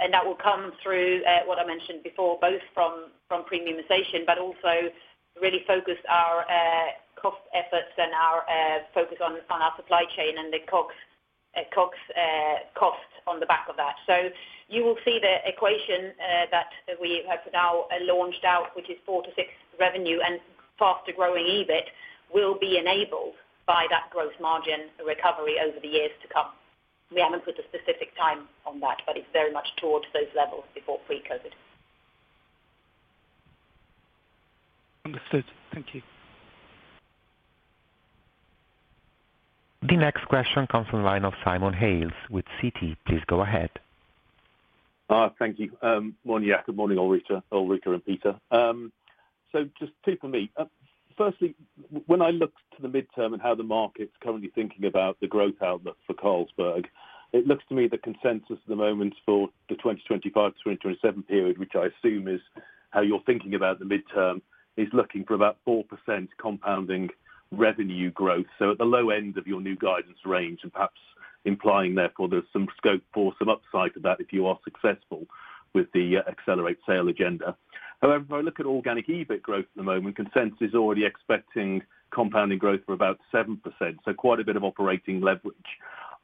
and that will come through what I mentioned before, both from premiumization, but also really focus our cost efforts and our focus on our supply chain and the COGS costs on the back of that. So you will see the equation that we have now launched out, which is 4-6 revenue and faster-growing EBIT, will be enabled by that growth margin recovery over the years to come. We haven't put a specific time on that, but it's very much towards those levels before pre-COVID. Understood. Thank you. The next question comes from the line of Simon Hales with Citi. Please go ahead. Thank you. Morning, good morning, Ulrica and Peter. So just two for me. Firstly, when I look to the midterm and how the market's currently thinking about the growth outlook for Carlsberg, it looks to me the consensus at the moment for the 2025-2027 period, which I assume is how you're thinking about the midterm, is looking for about 4% compounding revenue growth. So at the low end of your new guidance range, and perhaps implying therefore, there's some scope for some upside to that if you are successful with the Accelerate SAIL agenda. However, if I look at organic EBIT growth at the moment, consensus is already expecting compounding growth for about 7%, so quite a bit of operating leverage.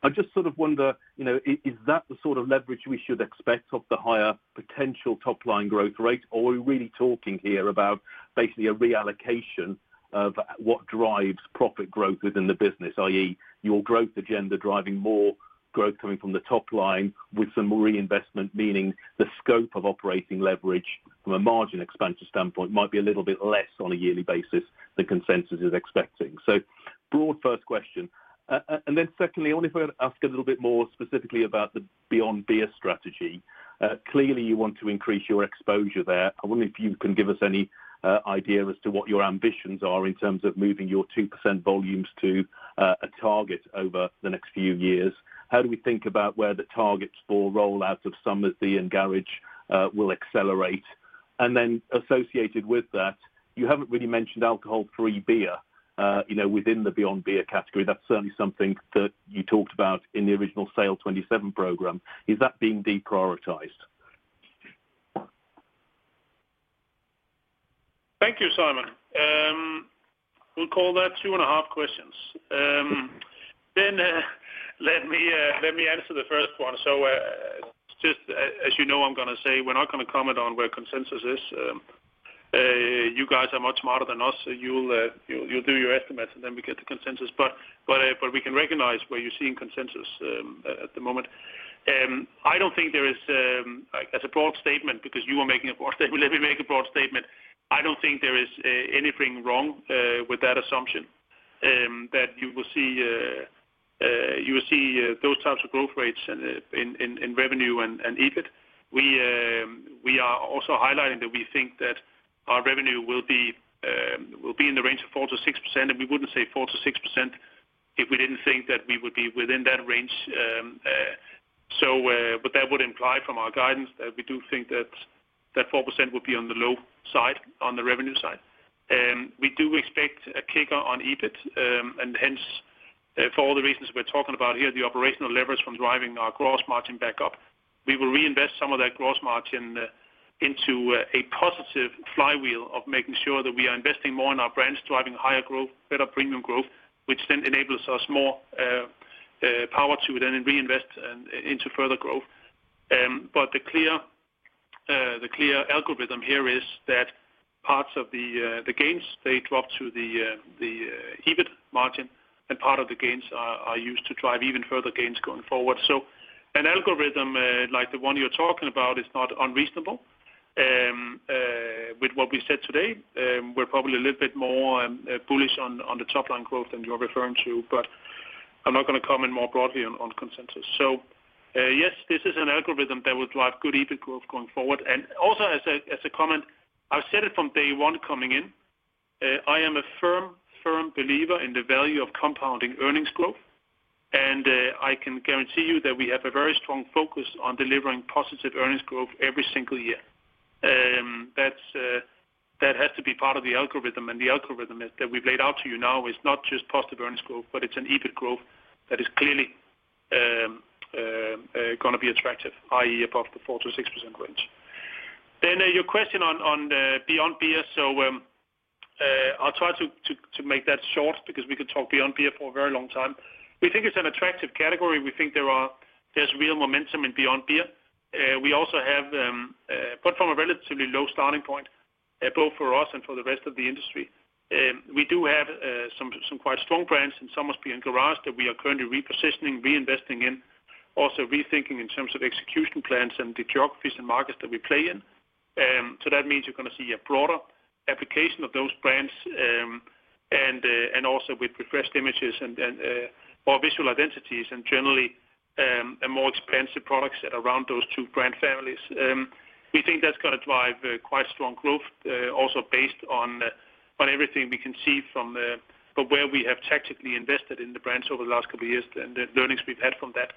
I just sort of wonder, you know, is that the sort of leverage we should expect of the higher potential top line growth rate, or are we really talking here about basically a reallocation of what drives profit growth within the business, i.e., your growth agenda driving more growth coming from the top line with some reinvestment, meaning the scope of operating leverage from a margin expansion standpoint might be a little bit less on a yearly basis than consensus is expecting? So broad first question. And then secondly, I wonder if I could ask a little bit more specifically about the Beyond Beer strategy. Clearly, you want to increase your exposure there. I wonder if you can give us any idea as to what your ambitions are in terms of moving your 2% volumes to a target over the next few years. How do we think about where the targets for rollout of Somersby and Garage will accelerate? And then associated with that, you haven't really mentioned alcohol-free beer, you know, within the Beyond Beer category. That's certainly something that you talked about in the original SAIL'27 program. Is that being deprioritized? Thank you, Simon. We'll call that 2.5 questions. Then let me answer the first one. So, just as you know, I'm gonna say we're not gonna comment on where consensus is. You guys are much smarter than us, so you'll do your estimates, and then we get the consensus. But we can recognize where you're seeing consensus at the moment. I don't think there is, like, as a broad statement, because you were making a broad statement, let me make a broad statement. I don't think there is anything wrong with that assumption that you will see those types of growth rates and in revenue and EBIT. We are also highlighting that we think that our revenue will be in the range of 4%-6%, and we wouldn't say 4%-6% if we didn't think that we would be within that range. So, but that would imply from our guidance that we do think that four percent would be on the low side, on the revenue side. We do expect a kicker on EBIT, and hence, for all the reasons we're talking about here, the operational leverage from driving our gross margin back up. We will reinvest some of that gross margin into a positive flywheel of making sure that we are investing more in our brands, driving higher growth, better premium growth, which then enables us more power to then reinvest and into further growth. But the clear algorithm here is that parts of the gains they drop to the EBIT margin, and part of the gains are used to drive even further gains going forward. So an algorithm like the one you're talking about is not unreasonable. With what we said today, we're probably a little bit more bullish on the top line growth than you're referring to, but I'm not gonna comment more broadly on consensus. So, yes, this is an algorithm that will drive good EBIT growth going forward. Also as a comment, I've said it from day one coming in. I am a firm, firm believer in the value of compounding earnings growth, and I can guarantee you that we have a very strong focus on delivering positive earnings growth every single year. That's that has to be part of the algorithm, and the algorithm is that we've laid out to you now is not just positive earnings growth, but it's an EBIT growth that is clearly gonna be attractive, i.e., above the 4%-6% range. Then, your question on Beyond Beer. So, I'll try to make that short because we could talk Beyond Beer for a very long time. We think it's an attractive category. We think there's real momentum in Beyond Beer. We also have, but from a relatively low starting point, both for us and for the rest of the industry. We do have some quite strong brands in Somersby and Garage that we are currently repositioning, reinvesting in, also rethinking in terms of execution plans and the geographies and markets that we play in. So that means you're gonna see a broader application of those brands, and also with refreshed images and more visual identities and generally, and more expensive products around those two brand families. We think that's gonna drive quite strong growth, also based on everything we can see from where we have tactically invested in the brands over the last couple of years and the learnings we've had from that.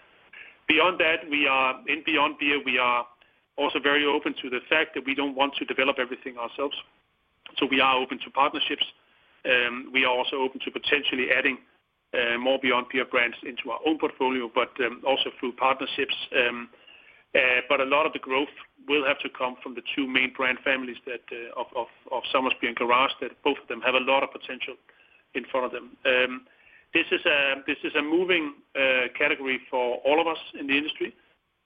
Beyond that, we are, in Beyond Beer, we are also very open to the fact that we don't want to develop everything ourselves, so we are open to partnerships. We are also open to potentially adding more Beyond Beer brands into our own portfolio, but also through partnerships. But a lot of the growth will have to come from the two main brand families that of Somersby and Garage, that both of them have a lot of potential in front of them. This is a moving category for all of us in the industry,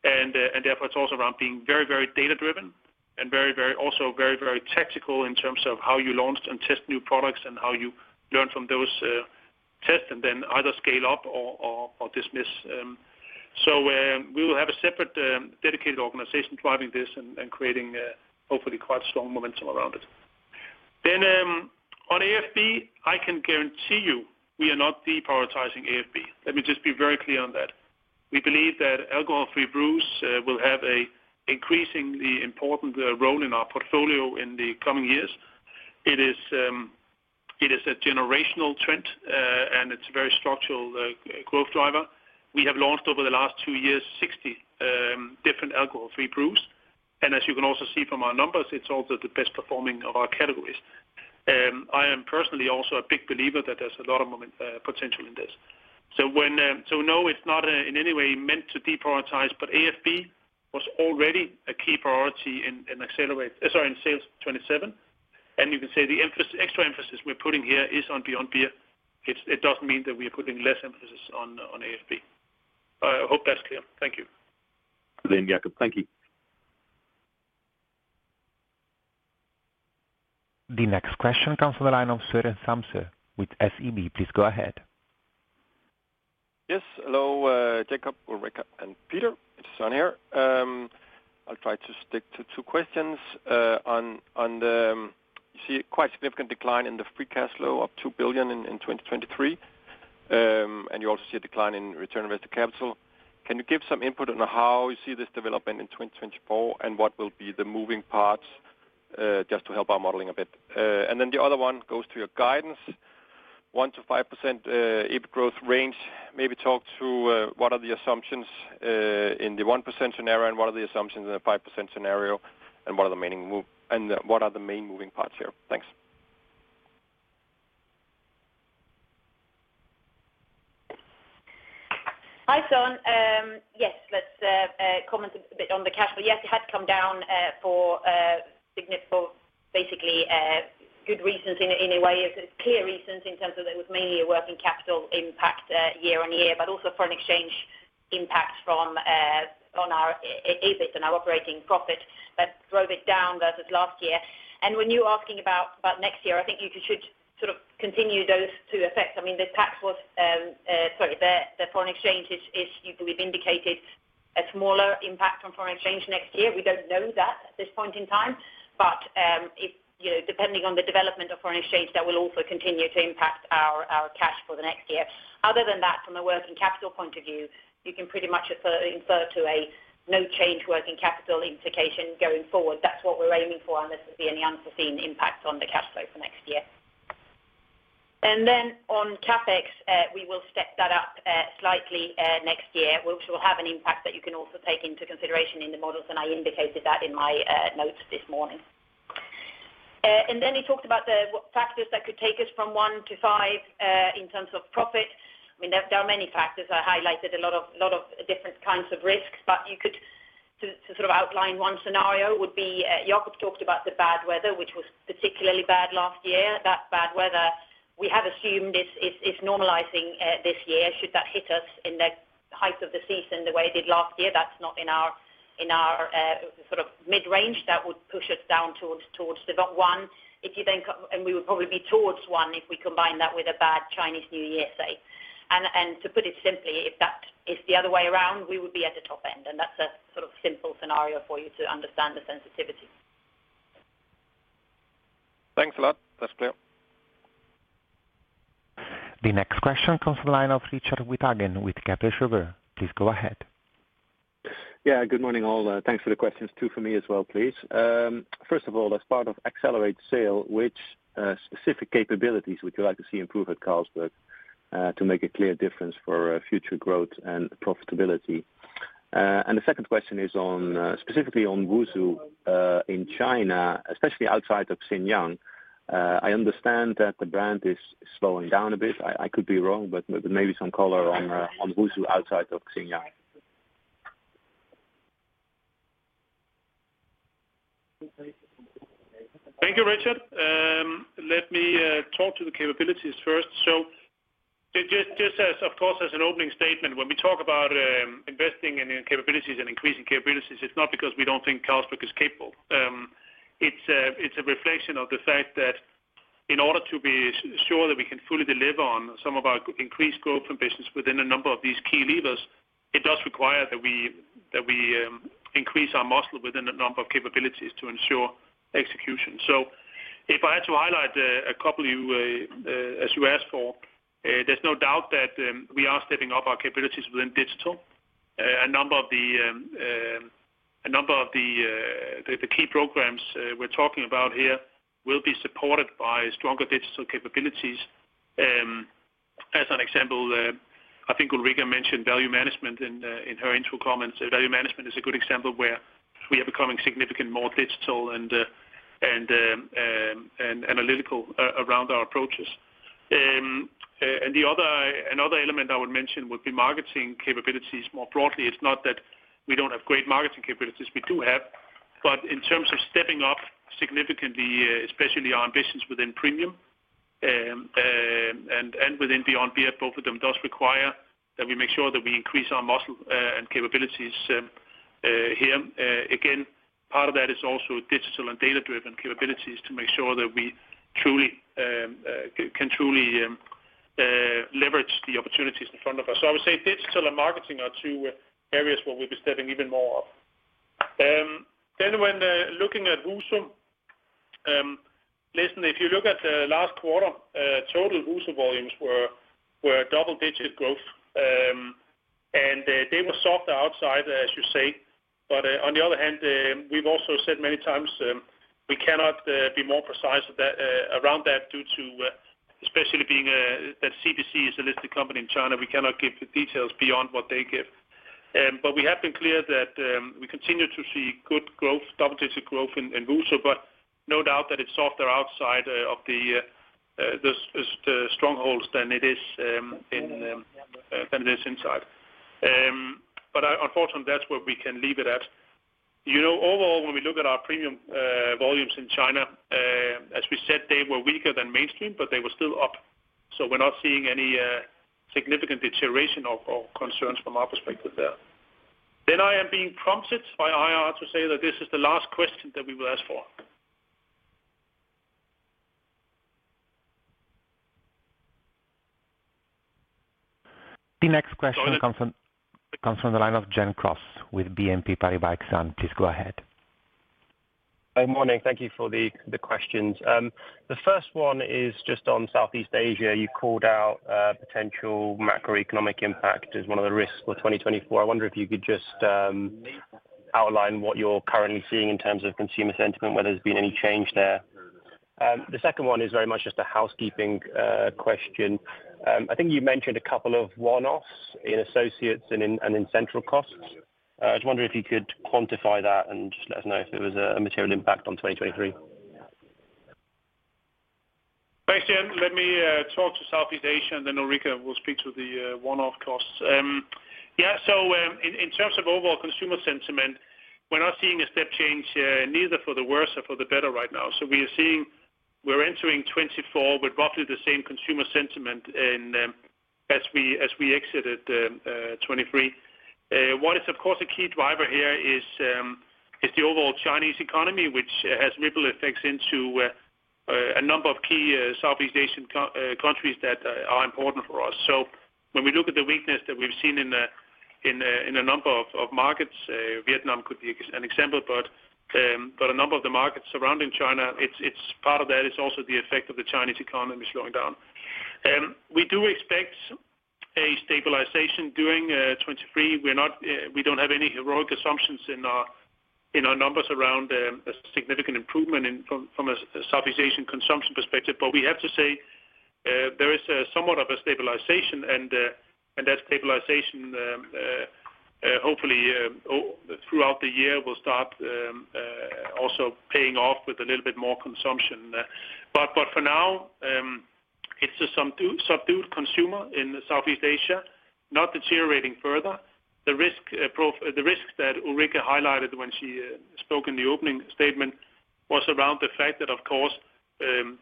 and therefore it's also around being very, very data-driven and very, very, also very, very tactical in terms of how you launch and test new products and how you learn from those tests, and then either scale up or dismiss. So, we will have a separate dedicated organization driving this and creating hopefully quite strong momentum around it. Then, on AFB, I can guarantee you we are not deprioritizing AFB. Let me just be very clear on that. We believe that alcohol-free brews will have an increasingly important role in our portfolio in the coming years. It is a generational trend, and it's a very structural growth driver. We have launched over the last two years 60 different alcohol-free brews, and as you can also see from our numbers, it's also the best performing of our categories. I am personally also a big believer that there's a lot of potential in this. So when, so no, it's not in any way meant to deprioritize, but AFB was already a key priority in Accelerate SAIL 27, and you can say the emphasis, extra emphasis we're putting here is on Beyond Beer. It's, it doesn't mean that we are putting less emphasis on AFB. I hope that's clear. Thank you. Then, Jacob. Thank you. The next question comes from the line of Søren Samsøe with SEB. Please go ahead. Yes, hello, Jacob, Ulrica, and Peter. It's Søren here. I'll try to stick to two questions. On the, you see a quite significant decline in the free cash flow of 2 billion in 2023, and you also see a decline in return on invested capital. Can you give some input on how you see this development in 2024, and what will be the moving parts, just to help our modeling a bit? And then the other one goes to your guidance, 1%-5% EBIT growth range. Maybe talk through, what are the assumptions in the 1% scenario, and what are the assumptions in the 5% scenario, and what are the main moving parts here? Thanks. Hi, Søren. Yes, let's comment a bit on the cash flow. Yes, it had come down for significant, basically, good reasons in a way, clear reasons in terms of it was mainly a working capital impact year-on-year, but also foreign exchange impact from on our EBIT and our operating profit that drove it down versus last year. And when you're asking about next year, I think you should sort of continue those two effects. I mean, the tax was, sorry, the foreign exchange is we've indicated a smaller impact on foreign exchange next year. We don't know that at this point in time, but if, you know, depending on the development of foreign exchange, that will also continue to impact our cash for the next year. Other than that, from a working capital point of view, you can pretty much infer to a no change working capital implication going forward. That's what we're aiming for, unless there's any unforeseen impacts on the cash flow for next year. And then on CapEx, we will step that up slightly next year, which will have an impact that you can also take into consideration in the models, and I indicated that in my notes this morning. And then you talked about the factors that could take us from one to five in terms of profit. I mean, there are many factors. I highlighted a lot of different kinds of risks, but to sort of outline one scenario would be, Jacob talked about the bad weather, which was particularly bad last year. That bad weather, we have assumed is normalizing this year. Should that hit us in the height of the season the way it did last year, that's not in our sort of mid-range; that would push us down towards 0.1. If you then and we would probably be towards 1, if we combine that with a bad Chinese New Year, say. To put it simply, if that is the other way around, we would be at the top end, and that's a sort of simple scenario for you to understand the sensitivity. Thanks a lot. That's clear. The next question comes from the line of Richard Withagen with Kepler Cheuvreux. Please go ahead. Yeah, good morning, all. Thanks for the questions, two for me as well, please. First of all, as part of Accelerate SAIL, which specific capabilities would you like to see improve at Carlsberg, to make a clear difference for future growth and profitability? The second question is on, specifically on WuSu, in China, especially outside of Xinjiang. I understand that the brand is slowing down a bit. I could be wrong, but maybe some color on WuSu outside of Xinjiang. Thank you, Richard. Let me talk to the capabilities first. So just as, of course, as an opening statement, when we talk about investing in capabilities and increasing capabilities, it's not because we don't think Carlsberg is capable. It's a reflection of the fact that in order to be sure that we can fully deliver on some of our increased growth ambitions within a number of these key levers, it does require that we increase our muscle within a number of capabilities to ensure execution. So if I had to highlight a couple, as you asked for, there's no doubt that we are stepping up our capabilities within digital. A number of the key programs we're talking about here will be supported by stronger digital capabilities. As an example, I think Ulrica mentioned Value Management in her intro comments. Value Management is a good example where we are becoming significantly more digital and analytical around our approaches. Another element I would mention would be marketing capabilities more broadly. It's not that we don't have great marketing capabilities, we do have. But in terms of stepping up significantly, especially our ambitions within Premium and within Beyond Beer, both of them does require that we make sure that we increase our muscle and capabilities here. Again, part of that is also digital and data-driven capabilities to make sure that we truly can truly leverage the opportunities in front of us. So I would say digital and marketing are two areas where we'll be stepping even more up. Then when looking at WuSu, listen, if you look at the last quarter, total WuSu volumes were double-digit growth, and they were softer outside, as you say. But on the other hand, we've also said many times, we cannot be more precise at that around that due to especially being that CbC is a listed company in China, we cannot give the details beyond what they give. But we have been clear that we continue to see good growth, double-digit growth in WuSu, but no doubt that it's softer outside of the strongholds than it is inside. But unfortunately, that's where we can leave it at. You know, overall, when we look at our premium volumes in China, as we said, they were weaker than mainstream, but they were still up. So we're not seeing any significant deterioration or concerns from our perspective there. Then I am being prompted by IR to say that this is the last question that we will ask for. The next question comes from. Go ahead. Comes from the line of Gen Cross with BNP Paribas. Please go ahead. Good morning. Thank you for the questions. The first one is just on Southeast Asia. You called out potential macroeconomic impact as one of the risks for 2024. I wonder if you could just outline what you're currently seeing in terms of consumer sentiment, whether there's been any change there. The second one is very much just a housekeeping question. I think you mentioned a couple of one-offs in associates and in central costs. I was wondering if you could quantify that and just let us know if there was a material impact on 2023. Let me talk to Southeast Asia and then Ulrica will speak to the one-off costs. Yeah, so in terms of overall consumer sentiment, we're not seeing a step change neither for the worse or for the better right now. So we are seeing, we're entering 2024 with roughly the same consumer sentiment in as we exited 2023. What is, of course, a key driver here is the overall Chinese economy, which has ripple effects into a number of key Southeast Asian countries that are important for us. So when we look at the weakness that we've seen in a number of markets, Vietnam could be an example, but a number of the markets surrounding China, it's part of that, it's also the effect of the Chinese economy slowing down. We do expect a stabilization during 2023. We're not, we don't have any heroic assumptions in our numbers around a significant improvement from a Southeast Asian consumption perspective. But we have to say, there is somewhat of a stabilization, and that stabilization, hopefully throughout the year will start also paying off with a little bit more consumption. But for now, it's a subdued consumer in Southeast Asia, not deteriorating further. The risks that Ulrica highlighted when she spoke in the opening statement was around the fact that, of course,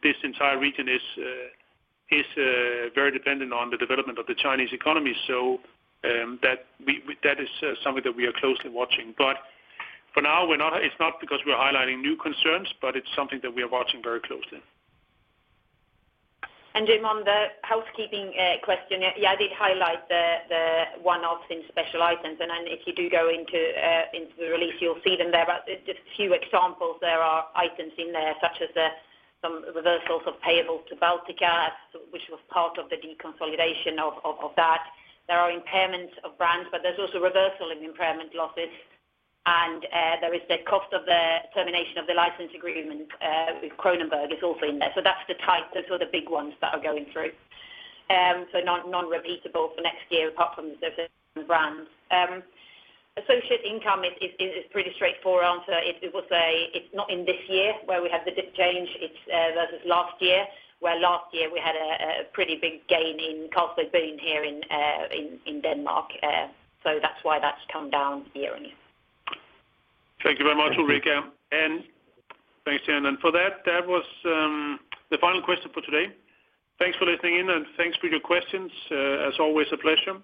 this entire region is very dependent on the development of the Chinese economy. That is something that we are closely watching. But for now, we're not. It's not because we're highlighting new concerns, but it's something that we are watching very closely. And Gen, on the housekeeping question, yeah, I did highlight the one-offs in special items, and then if you do go into the release, you'll see them there. But just a few examples, there are items in there, such as some reversals of payable to Baltika, which was part of the deconsolidation of that. There are impairments of brands, but there's also reversal in impairment losses, and there is the cost of the termination of the license agreement with Kronenbourg. It's also in there. So that's the type, the sort of big ones that are going through. So non-repeatable for next year, apart from the brands. Associate income is pretty straightforward answer. It will say it's not in this year where we have the dip change. It's versus last year, where last year we had a pretty big gain in cash, DKK 1 billion, here in Denmark. So that's why that's come down year-over-year. Thank you very much, Ulrica. And thanks, Gen. And for that, that was the final question for today. Thanks for listening in, and thanks for your questions. As always, a pleasure.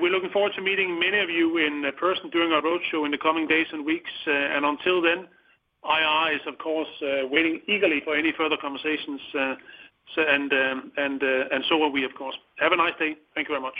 We're looking forward to meeting many of you in person during our roadshow in the coming days and weeks. And until then, IR is, of course, waiting eagerly for any further conversations, so and, and so are we, of course. Have a nice day. Thank you very much.